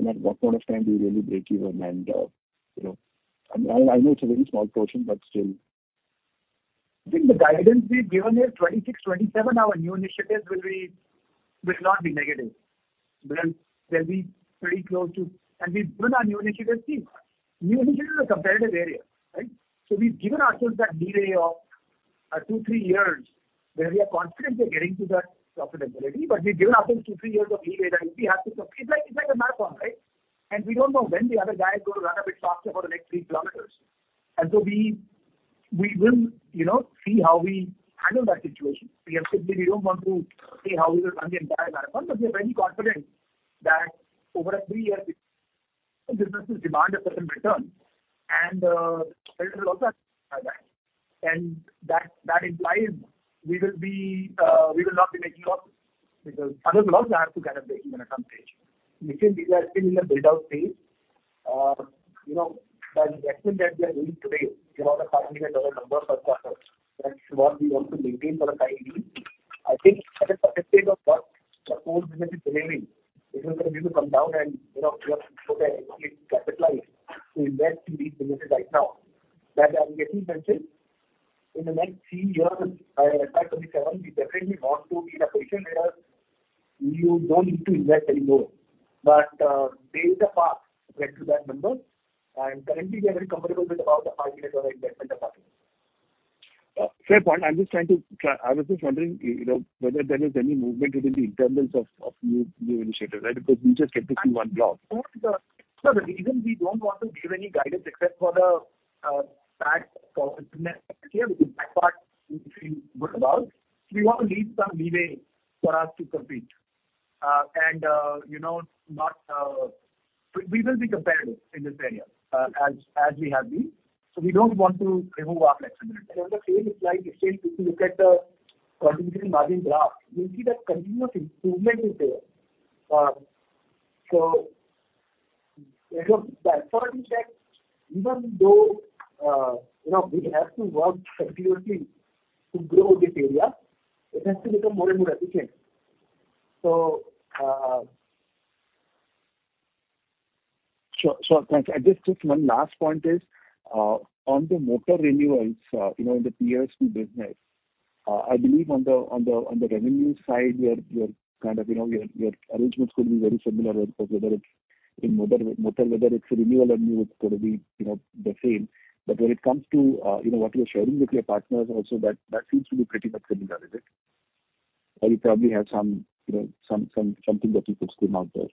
S11: know, at what point of time do you really break even? You know. I know it's a very small portion, but still.
S2: I think the guidance we've given is 26, 27. Our new initiatives will not be negative. They'll be pretty close to... We've given our new initiatives. See, new initiatives are competitive area, right? We've given ourselves that delay of two, three years where we are confident we're getting to that profitability. We've given ourselves two, three years of delay that if we have to... It's like a marathon, right? We don't know when the other guy is gonna run a bit faster for the next three kilometers. We will, you know, see how we handle that situation. We have said we don't want to say how we will run the entire marathon, but we are very confident that over a three-year business demand a certain return and will also have that. That implies we will be, we will not be making loss because others will also have to kind of break even at some stage.
S4: Between these are still in the build-out phase. you know, by the estimate that we are doing today, you know, the $5 million number per quarter, that's what we want to maintain for a time being. I think at a specific of what our core business is delivering, it is going to come down and, you know, we have to completely capitalize to invest in these businesses right now that are getting mentioned. In the next three years, by 2027, we definitely want to be in a position where you don't need to invest anymore. Pave the path, get to that number. Currently we are very comfortable with about the $5 million investment apart.
S11: Fair point. I was just wondering, you know, whether there is any movement within the internals of new initiatives, right? Because we just get to see one block.
S4: No, the reason we don't want to give any guidance except for the fact for next year, because that part we feel good about. We want to leave some leeway for us to compete. You know, We will be competitive in this area, as we have been. We don't want to remove our flexibility.
S2: The same applies. If you look at the contribution margin graph, you'll see that continuous improvement is there. The effort is that even though, you know, we have to work continuously to grow this area, it has to become more and more efficient.
S11: Sure. Sure. Thanks. I guess just one last point is, on the motor renewals, you know, in the PSP business. I believe on the revenue side, your kind of, you know, your arrangements could be very similar because whether it's in motor, whether it's a renewal or new, it's gonna be, you know, the same. When it comes to, you know, what you're sharing with your partners and also that seems to be pretty much similar, is it? Or you probably have some, you know, something that you could scream out there.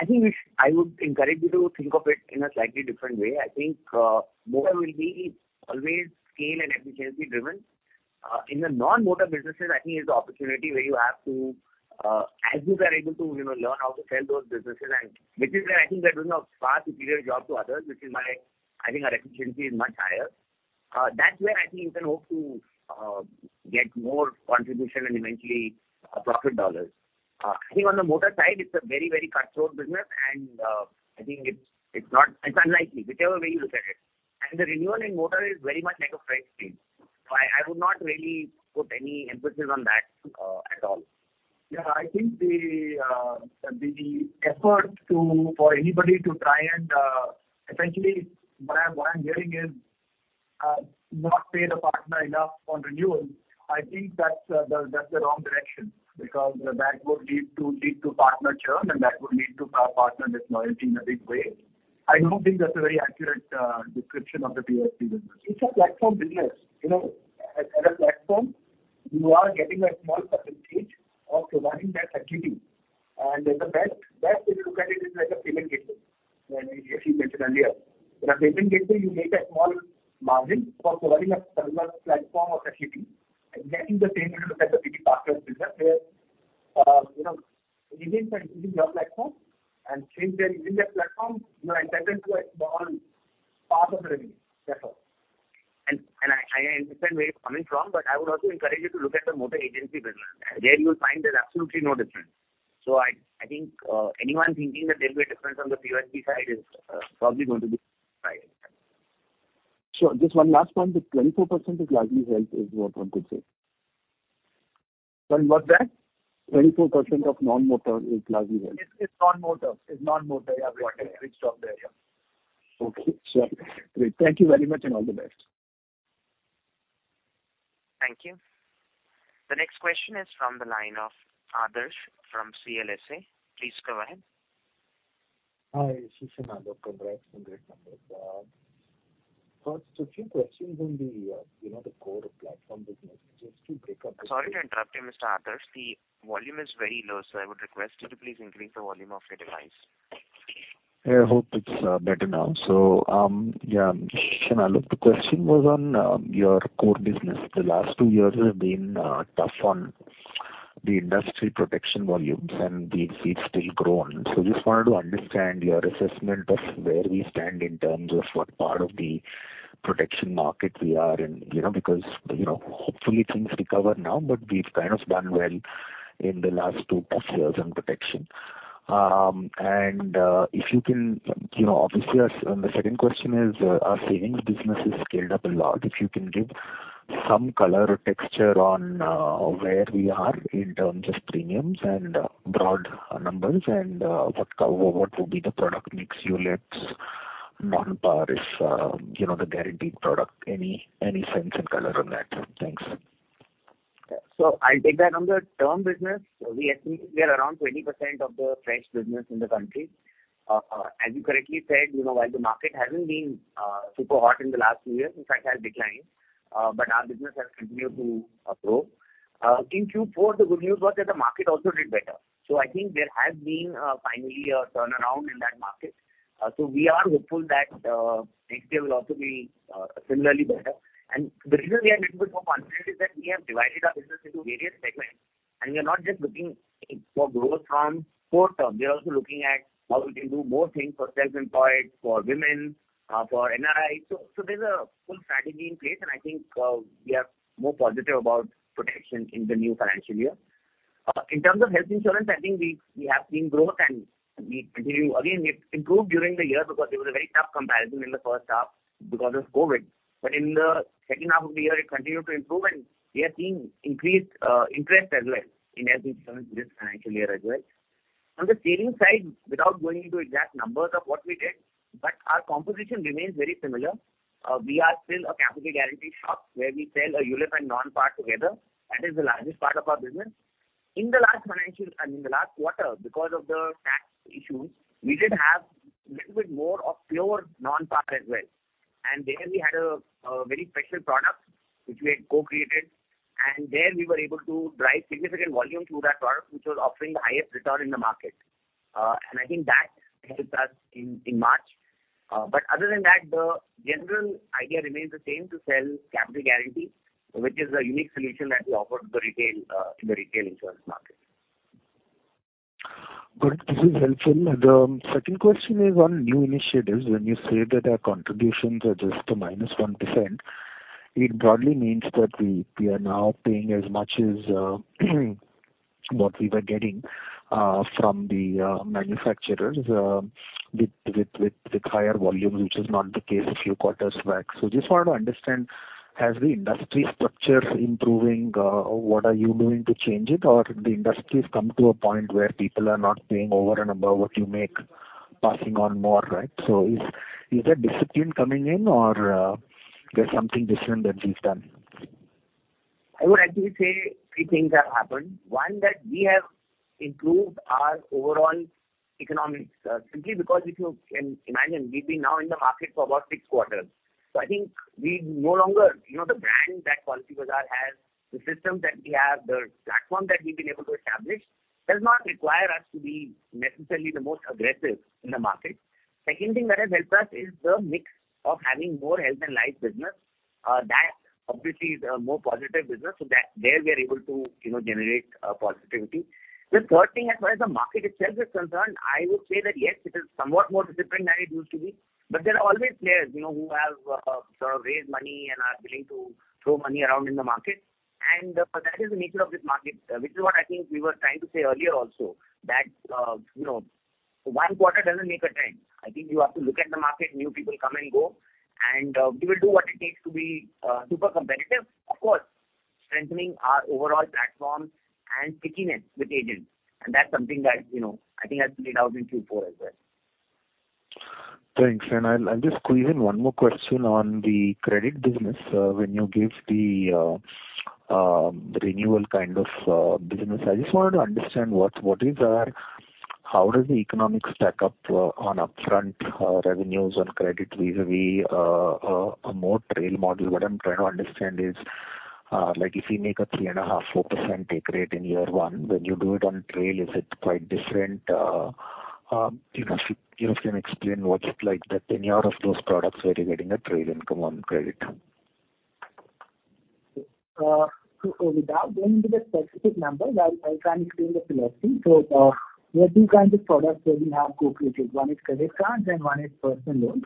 S4: I think we I would encourage you to think of it in a slightly different way. I think motor will be always scale and efficiency driven. In the non-motor businesses I think is the opportunity where you have to, as you are able to, you know, learn how to sell those businesses and which is where I think we are doing a far superior job to others, which is why I think our efficiency is much higher. That's where I think you can hope to get more contribution and eventually profit dollars. I think on the motor side, it's a very, very cutthroat business, and I think it's unlikely whichever way you look at it. The renewal in motor is very much like a freight stream. I would not really put any emphasis on that at all.
S2: Yeah, I think the effort to, for anybody to try and, essentially what I'm hearing is, not pay the partner enough on renewal. I think that's the wrong direction because that would lead to partner churn and that would lead to partner disloyalty in a big way. I don't think that's a very accurate description of the PSP business. It's a platform business. You know, as a platform you are getting a small percentage of providing that facility and as a best if you look at it is like a payment gateway, as you mentioned earlier. In a payment gateway you make a small margin for providing a platform or facility, exactly the same way you look at the PB Partners business where, you know, agents are using your platform and since they're using that platform, you are entitled to a small part of the revenue. That's all.
S4: I understand where you're coming from, I would also encourage you to look at the motor agency business. There you'll find there's absolutely no difference. I think anyone thinking that there'll be a difference on the PSP side is probably going to be surprised.
S11: Sure. Just one last one. The 24% is largely health is what one could say.
S4: Sorry, what's that?
S11: 24% of non-motor is largely well.
S4: It's non-motor. It's non-motor
S11: Okay, sure. Great. Thank you very much, and all the best.
S1: Thank you. The next question is from the line of Adarsh from CLSA. Please go ahead.
S12: Hi, this is from Great Numbers. First a few questions on the, you know, the core platform business.
S1: Sorry to interrupt you, Mr. Adarsh. The volume is very low, so I would request you to please increase the volume of your device. Thank you.
S12: Yeah, hope it's better now. Yeah. Shanal, the question was on your core business. The last two years have been tough on the industry protection volumes and we've still grown. Just wanted to understand your assessment of where we stand in terms of what part of the protection market we are in. You know, because, you know, hopefully things recover now, but we've kind of done well in the last two tough years on protection. If you can, you know, obviously, the second question is, our savings business has scaled up a lot. If you can give some color or texture on where we are in terms of premiums and broad numbers and what would be the product mix, ULIPs, non-par is, you know, the guaranteed product. Any sense and color on that? Thanks.
S4: I'll take that. On the term business, we actually, we are around 20% of the fresh business in the country. As you correctly said, you know, while the market hasn't been super hot in the last few years, in fact has declined, but our business has continued to grow. In Q4 the good news was that the market also did better. I think there has been finally a turnaround in that market. We are hopeful that next year will also be similarly better. The reason we are little bit more confident is that we have divided our business into various segments and we are not just looking for growth from core term. We are also looking at how we can do more things for self-employed, for women, for NRI. There's a full strategy in place, and I think we are more positive about protection in the new financial year. In terms of health insurance, I think we have seen growth and we continue. Again, we improved during the year because there was a very tough comparison in the first half because of COVID. In the second half of the year it continued to improve and we are seeing increased interest as well in health insurance this financial year as well. On the savings side, without going into exact numbers of what we did, but our composition remains very similar. We are still a capital guarantee shop where we sell a ULIP and non-par together. That is the largest part of our business. In the last financial, I mean the last quarter, because of the tax issues, we did have little bit more of pure non-par as well. There we had a very special product which we had co-created, and there we were able to drive significant volume through that product, which was offering the highest return in the market. I think that helped us in March. Other than that, the general idea remains the same, to sell capital guarantee, which is a unique solution that we offer to the retail insurance market.
S12: Good. This is helpful. The second question is on new initiatives. When you say that our contributions are just a -1%, it broadly means that we are now paying as much as what we were getting from the manufacturers with higher volume, which is not the case a few quarters back. Just want to understand, has the industry structure improving? What are you doing to change it? The industry's come to a point where people are not paying over and above what you make passing on more, right? Is there discipline coming in or there's something different that we've done?
S4: I would actually say three things have happened. One, that we have improved our overall economics, simply because if you can imagine, we've been now in the market for about six quarters. I think we no longer, you know, the brand that Policybazaar has, the systems that we have, the platform that we've been able to establish does not require us to be necessarily the most aggressive in the market. Second thing that has helped us is the mix of having more health and life business. That obviously is a more positive business. That there we are able to, you know, generate positivity. The third thing, as far as the market itself is concerned, I would say that, yes, it is somewhat more disciplined than it used to be, but there are always players, you know, who have sort of raised money and are willing to throw money around in the market. That is the nature of this market, which is what I think we were trying to say earlier also that, you know, one quarter doesn't make a trend. I think you have to look at the market. New people come and go, and we will do what it takes to be super competitive. Of course, strengthening our overall platform and stickiness with agents, and that's something that, you know, I think has played out in Q4 as well.
S12: Thanks. I'll just squeeze in one more question on the credit business. When you give the renewal kind of business, I just wanted to understand what is how does the economics stack up on upfront revenues on credit vis-a-vis a more trail model? What I'm trying to understand is like if you make a 3.5%, 4% take rate in year one, when you do it on trail, is it quite different? You know, if you can explain what's it like that any of those products where you're getting a trail income on credit.
S4: Without going into the specific numbers, I'll try and explain the philosophy. There are two kinds of products that we have co-created. One is credit cards and one is personal loans.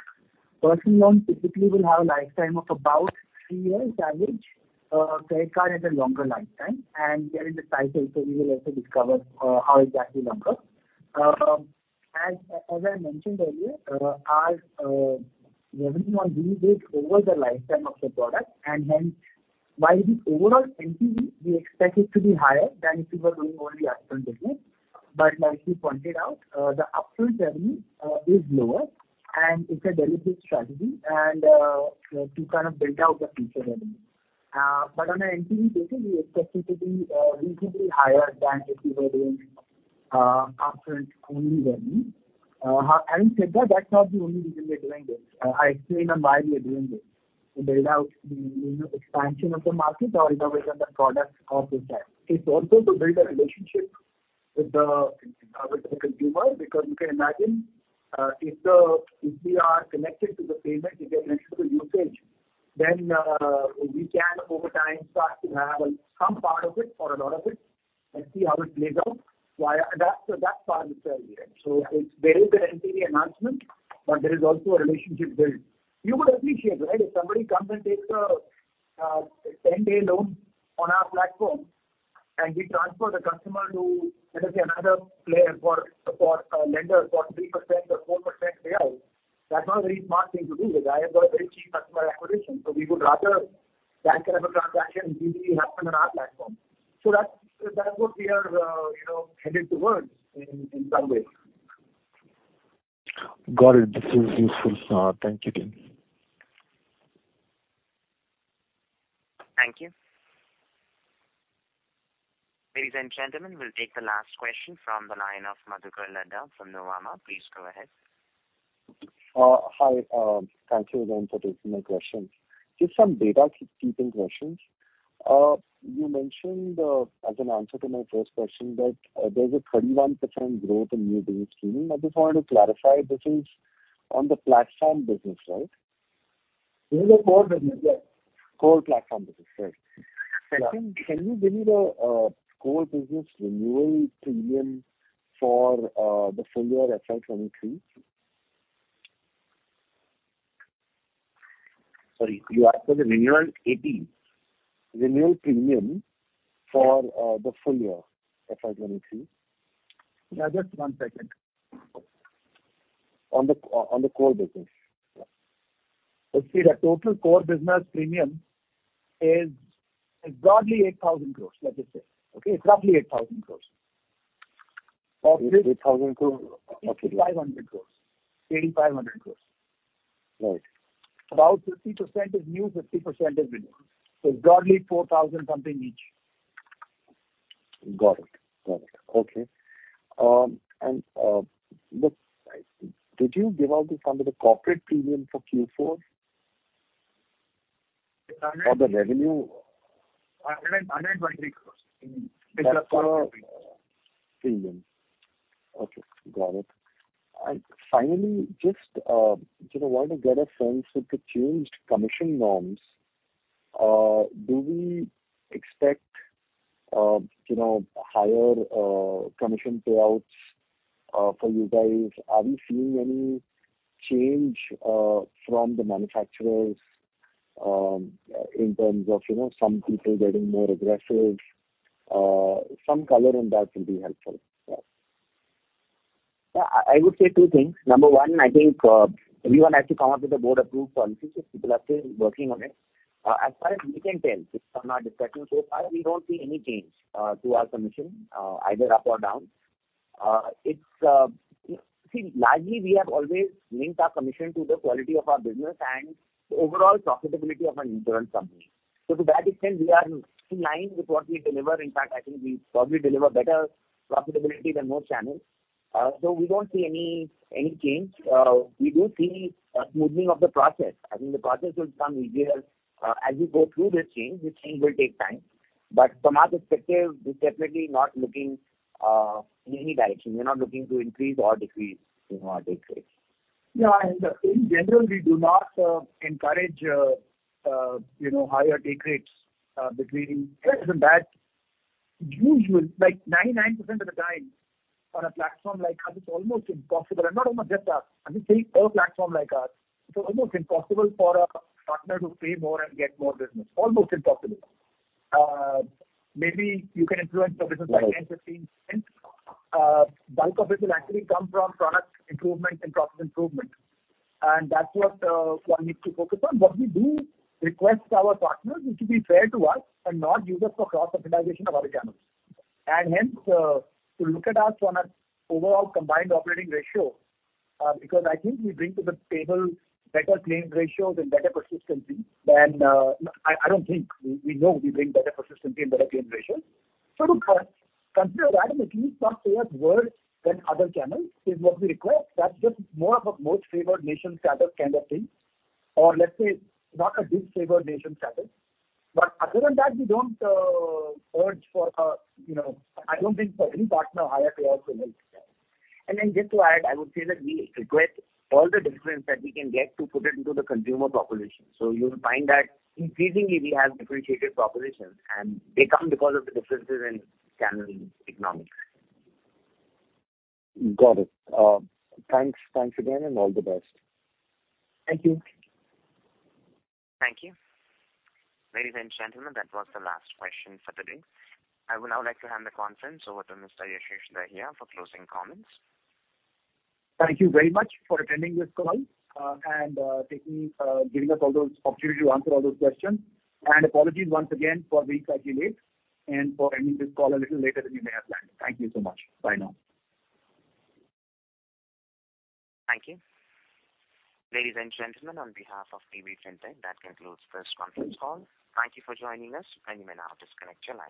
S4: Personal loans typically will have a lifetime of about 3 years average. Credit card has a longer lifetime, and during the cycle so we will also discover how exactly longer. As I mentioned earlier, our revenue on new business over the lifetime of the product and hence why the overall NPV we expect it to be higher than if we were doing only upfront business. Like you pointed out, the upfront revenue is lower and it's a deliberate strategy to kind of build out the future revenue. On an NPV basis, we expect it to be reasonably higher than if we were doing upfront-only revenue. Having said that's not the only reason we are doing this. I explained on why we are doing this. To build out the, you know, expansion of the market or innovation of the product over time. It's also to build a relationship with the consumer because you can imagine, if we are connected to the payment, we get connected to the usage then, we can over time start to have some part of it or a lot of it and see how it plays out via that. That part is early, right? There is an NPV enhancement, but there is also a relationship build. You would appreciate, right, if somebody comes and takes a 10-day loan on our platform and we transfer the customer to, let us say, another player for a lender for 3% or 4% payout. That's not a very smart thing to do because I have got a very cheap customer acquisition, so we would rather that kind of a transaction really happen on our platform. That's, that's what we are, you know, headed towards in some way.
S12: Got it. This is useful. Thank you, team.
S1: Thank you. Ladies and gentlemen, we'll take the last question from the line of Madhukar Ladha from Nomura. Please go ahead.
S3: Hi. Thank you again for taking my questions. Just some data keeping questions. You mentioned as an answer to my first question that there's a 31% growth in new business premium. I just wanted to clarify this is on the platform business, right?
S4: This is a core business, yes.
S3: Core platform business. Right.
S4: Yeah.
S3: I think can you give me the core business renewal premium for the full year FY2023?
S4: Sorry. You asked for the renewal AP?
S3: Renewal premium for, the full year FY 23.
S4: Yeah, just one second. On the core business. Let's see. The total core business premium is broadly 8,000 crores, let's just say. Okay? Roughly 8,000 crores.
S3: 8,000 crores. Okay.
S4: 8,500 crores. 8,500 crores.
S3: Right.
S4: About 50% is new, 50% is renewal. It's broadly 4,000 something each.
S3: Got it. Got it. Okay. Look, did you give out some of the corporate premium for Q4?
S4: The hundred-
S3: The revenue.
S4: INR 120 crores.
S3: That's for premium. Okay, got it. Finally, just, you know, wanted to get a sense with the changed commission norms, do we expect, you know, higher commission payouts for you guys? Are we seeing any change from the manufacturers, in terms of, you know, some people getting more aggressive? Some color on that will be helpful. Yeah.
S4: Yeah. I would say two things. Number one, I think everyone has to come up with a board-approved policy. People are still working on it. As far as we can tell, just from our discussions so far, we don't see any change to our commission, either up or down. It's. Largely we have always linked our commission to the quality of our business and the overall profitability of an insurance company. To that extent, we are in line with what we deliver. In fact, I think we probably deliver better profitability than most channels. We don't see any change. We do see a smoothing of the process. I think the process will become easier, as we go through this change. This change will take time. From our perspective, we're definitely not looking in any direction. We're not looking to increase or decrease, you know, our day rates.
S3: Yeah. In general, we do not encourage, you know, higher day rates between this and that. Usually, like 99% of the time on a platform like ours, it's almost impossible. Not almost, just us. I'm just saying all platform like us, it's almost impossible for a partner to pay more and get more business. Almost impossible. Maybe you can influence the business by 10%, 15%. Bulk of it will actually come from product improvement and process improvement. That's what one needs to focus on. What we do request our partners is to be fair to us and not use us for cross-subsidization of other channels. Hence, to look at us on an overall combined operating ratio, because I think we bring to the table better claim ratios and better persistency than. I don't think. We know we bring better persistency and better claim ratios. To consider that and at least not pay us worse than other channels is what we request. That's just more of a most favored nation status kind of thing or let's say not a disfavored nation status. Other than that, we don't urge for a, you know, I don't think for any partner higher payout will help.
S4: Just to add, I would say that we regret all the difference that we can get to put it into the consumer population. You'll find that increasingly we have differentiated populations and they come because of the differences in channel economics.
S3: Got it. Thanks. Thanks again and all the best.
S4: Thank you.
S1: Thank you. Ladies and gentlemen, that was the last question for today. I would now like to hand the conference over to Mr. Yashish Dahiya for closing comments.
S2: Thank you very much for attending this call, and taking giving us all those opportunity to answer all those questions. Apologies once again for being slightly late and for ending this call a little later than we may have planned. Thank you so much. Bye now.
S1: Thank you. Ladies and gentlemen, on behalf of PB Fintech, that concludes this conference call. Thank you for joining us, and you may now disconnect your lines.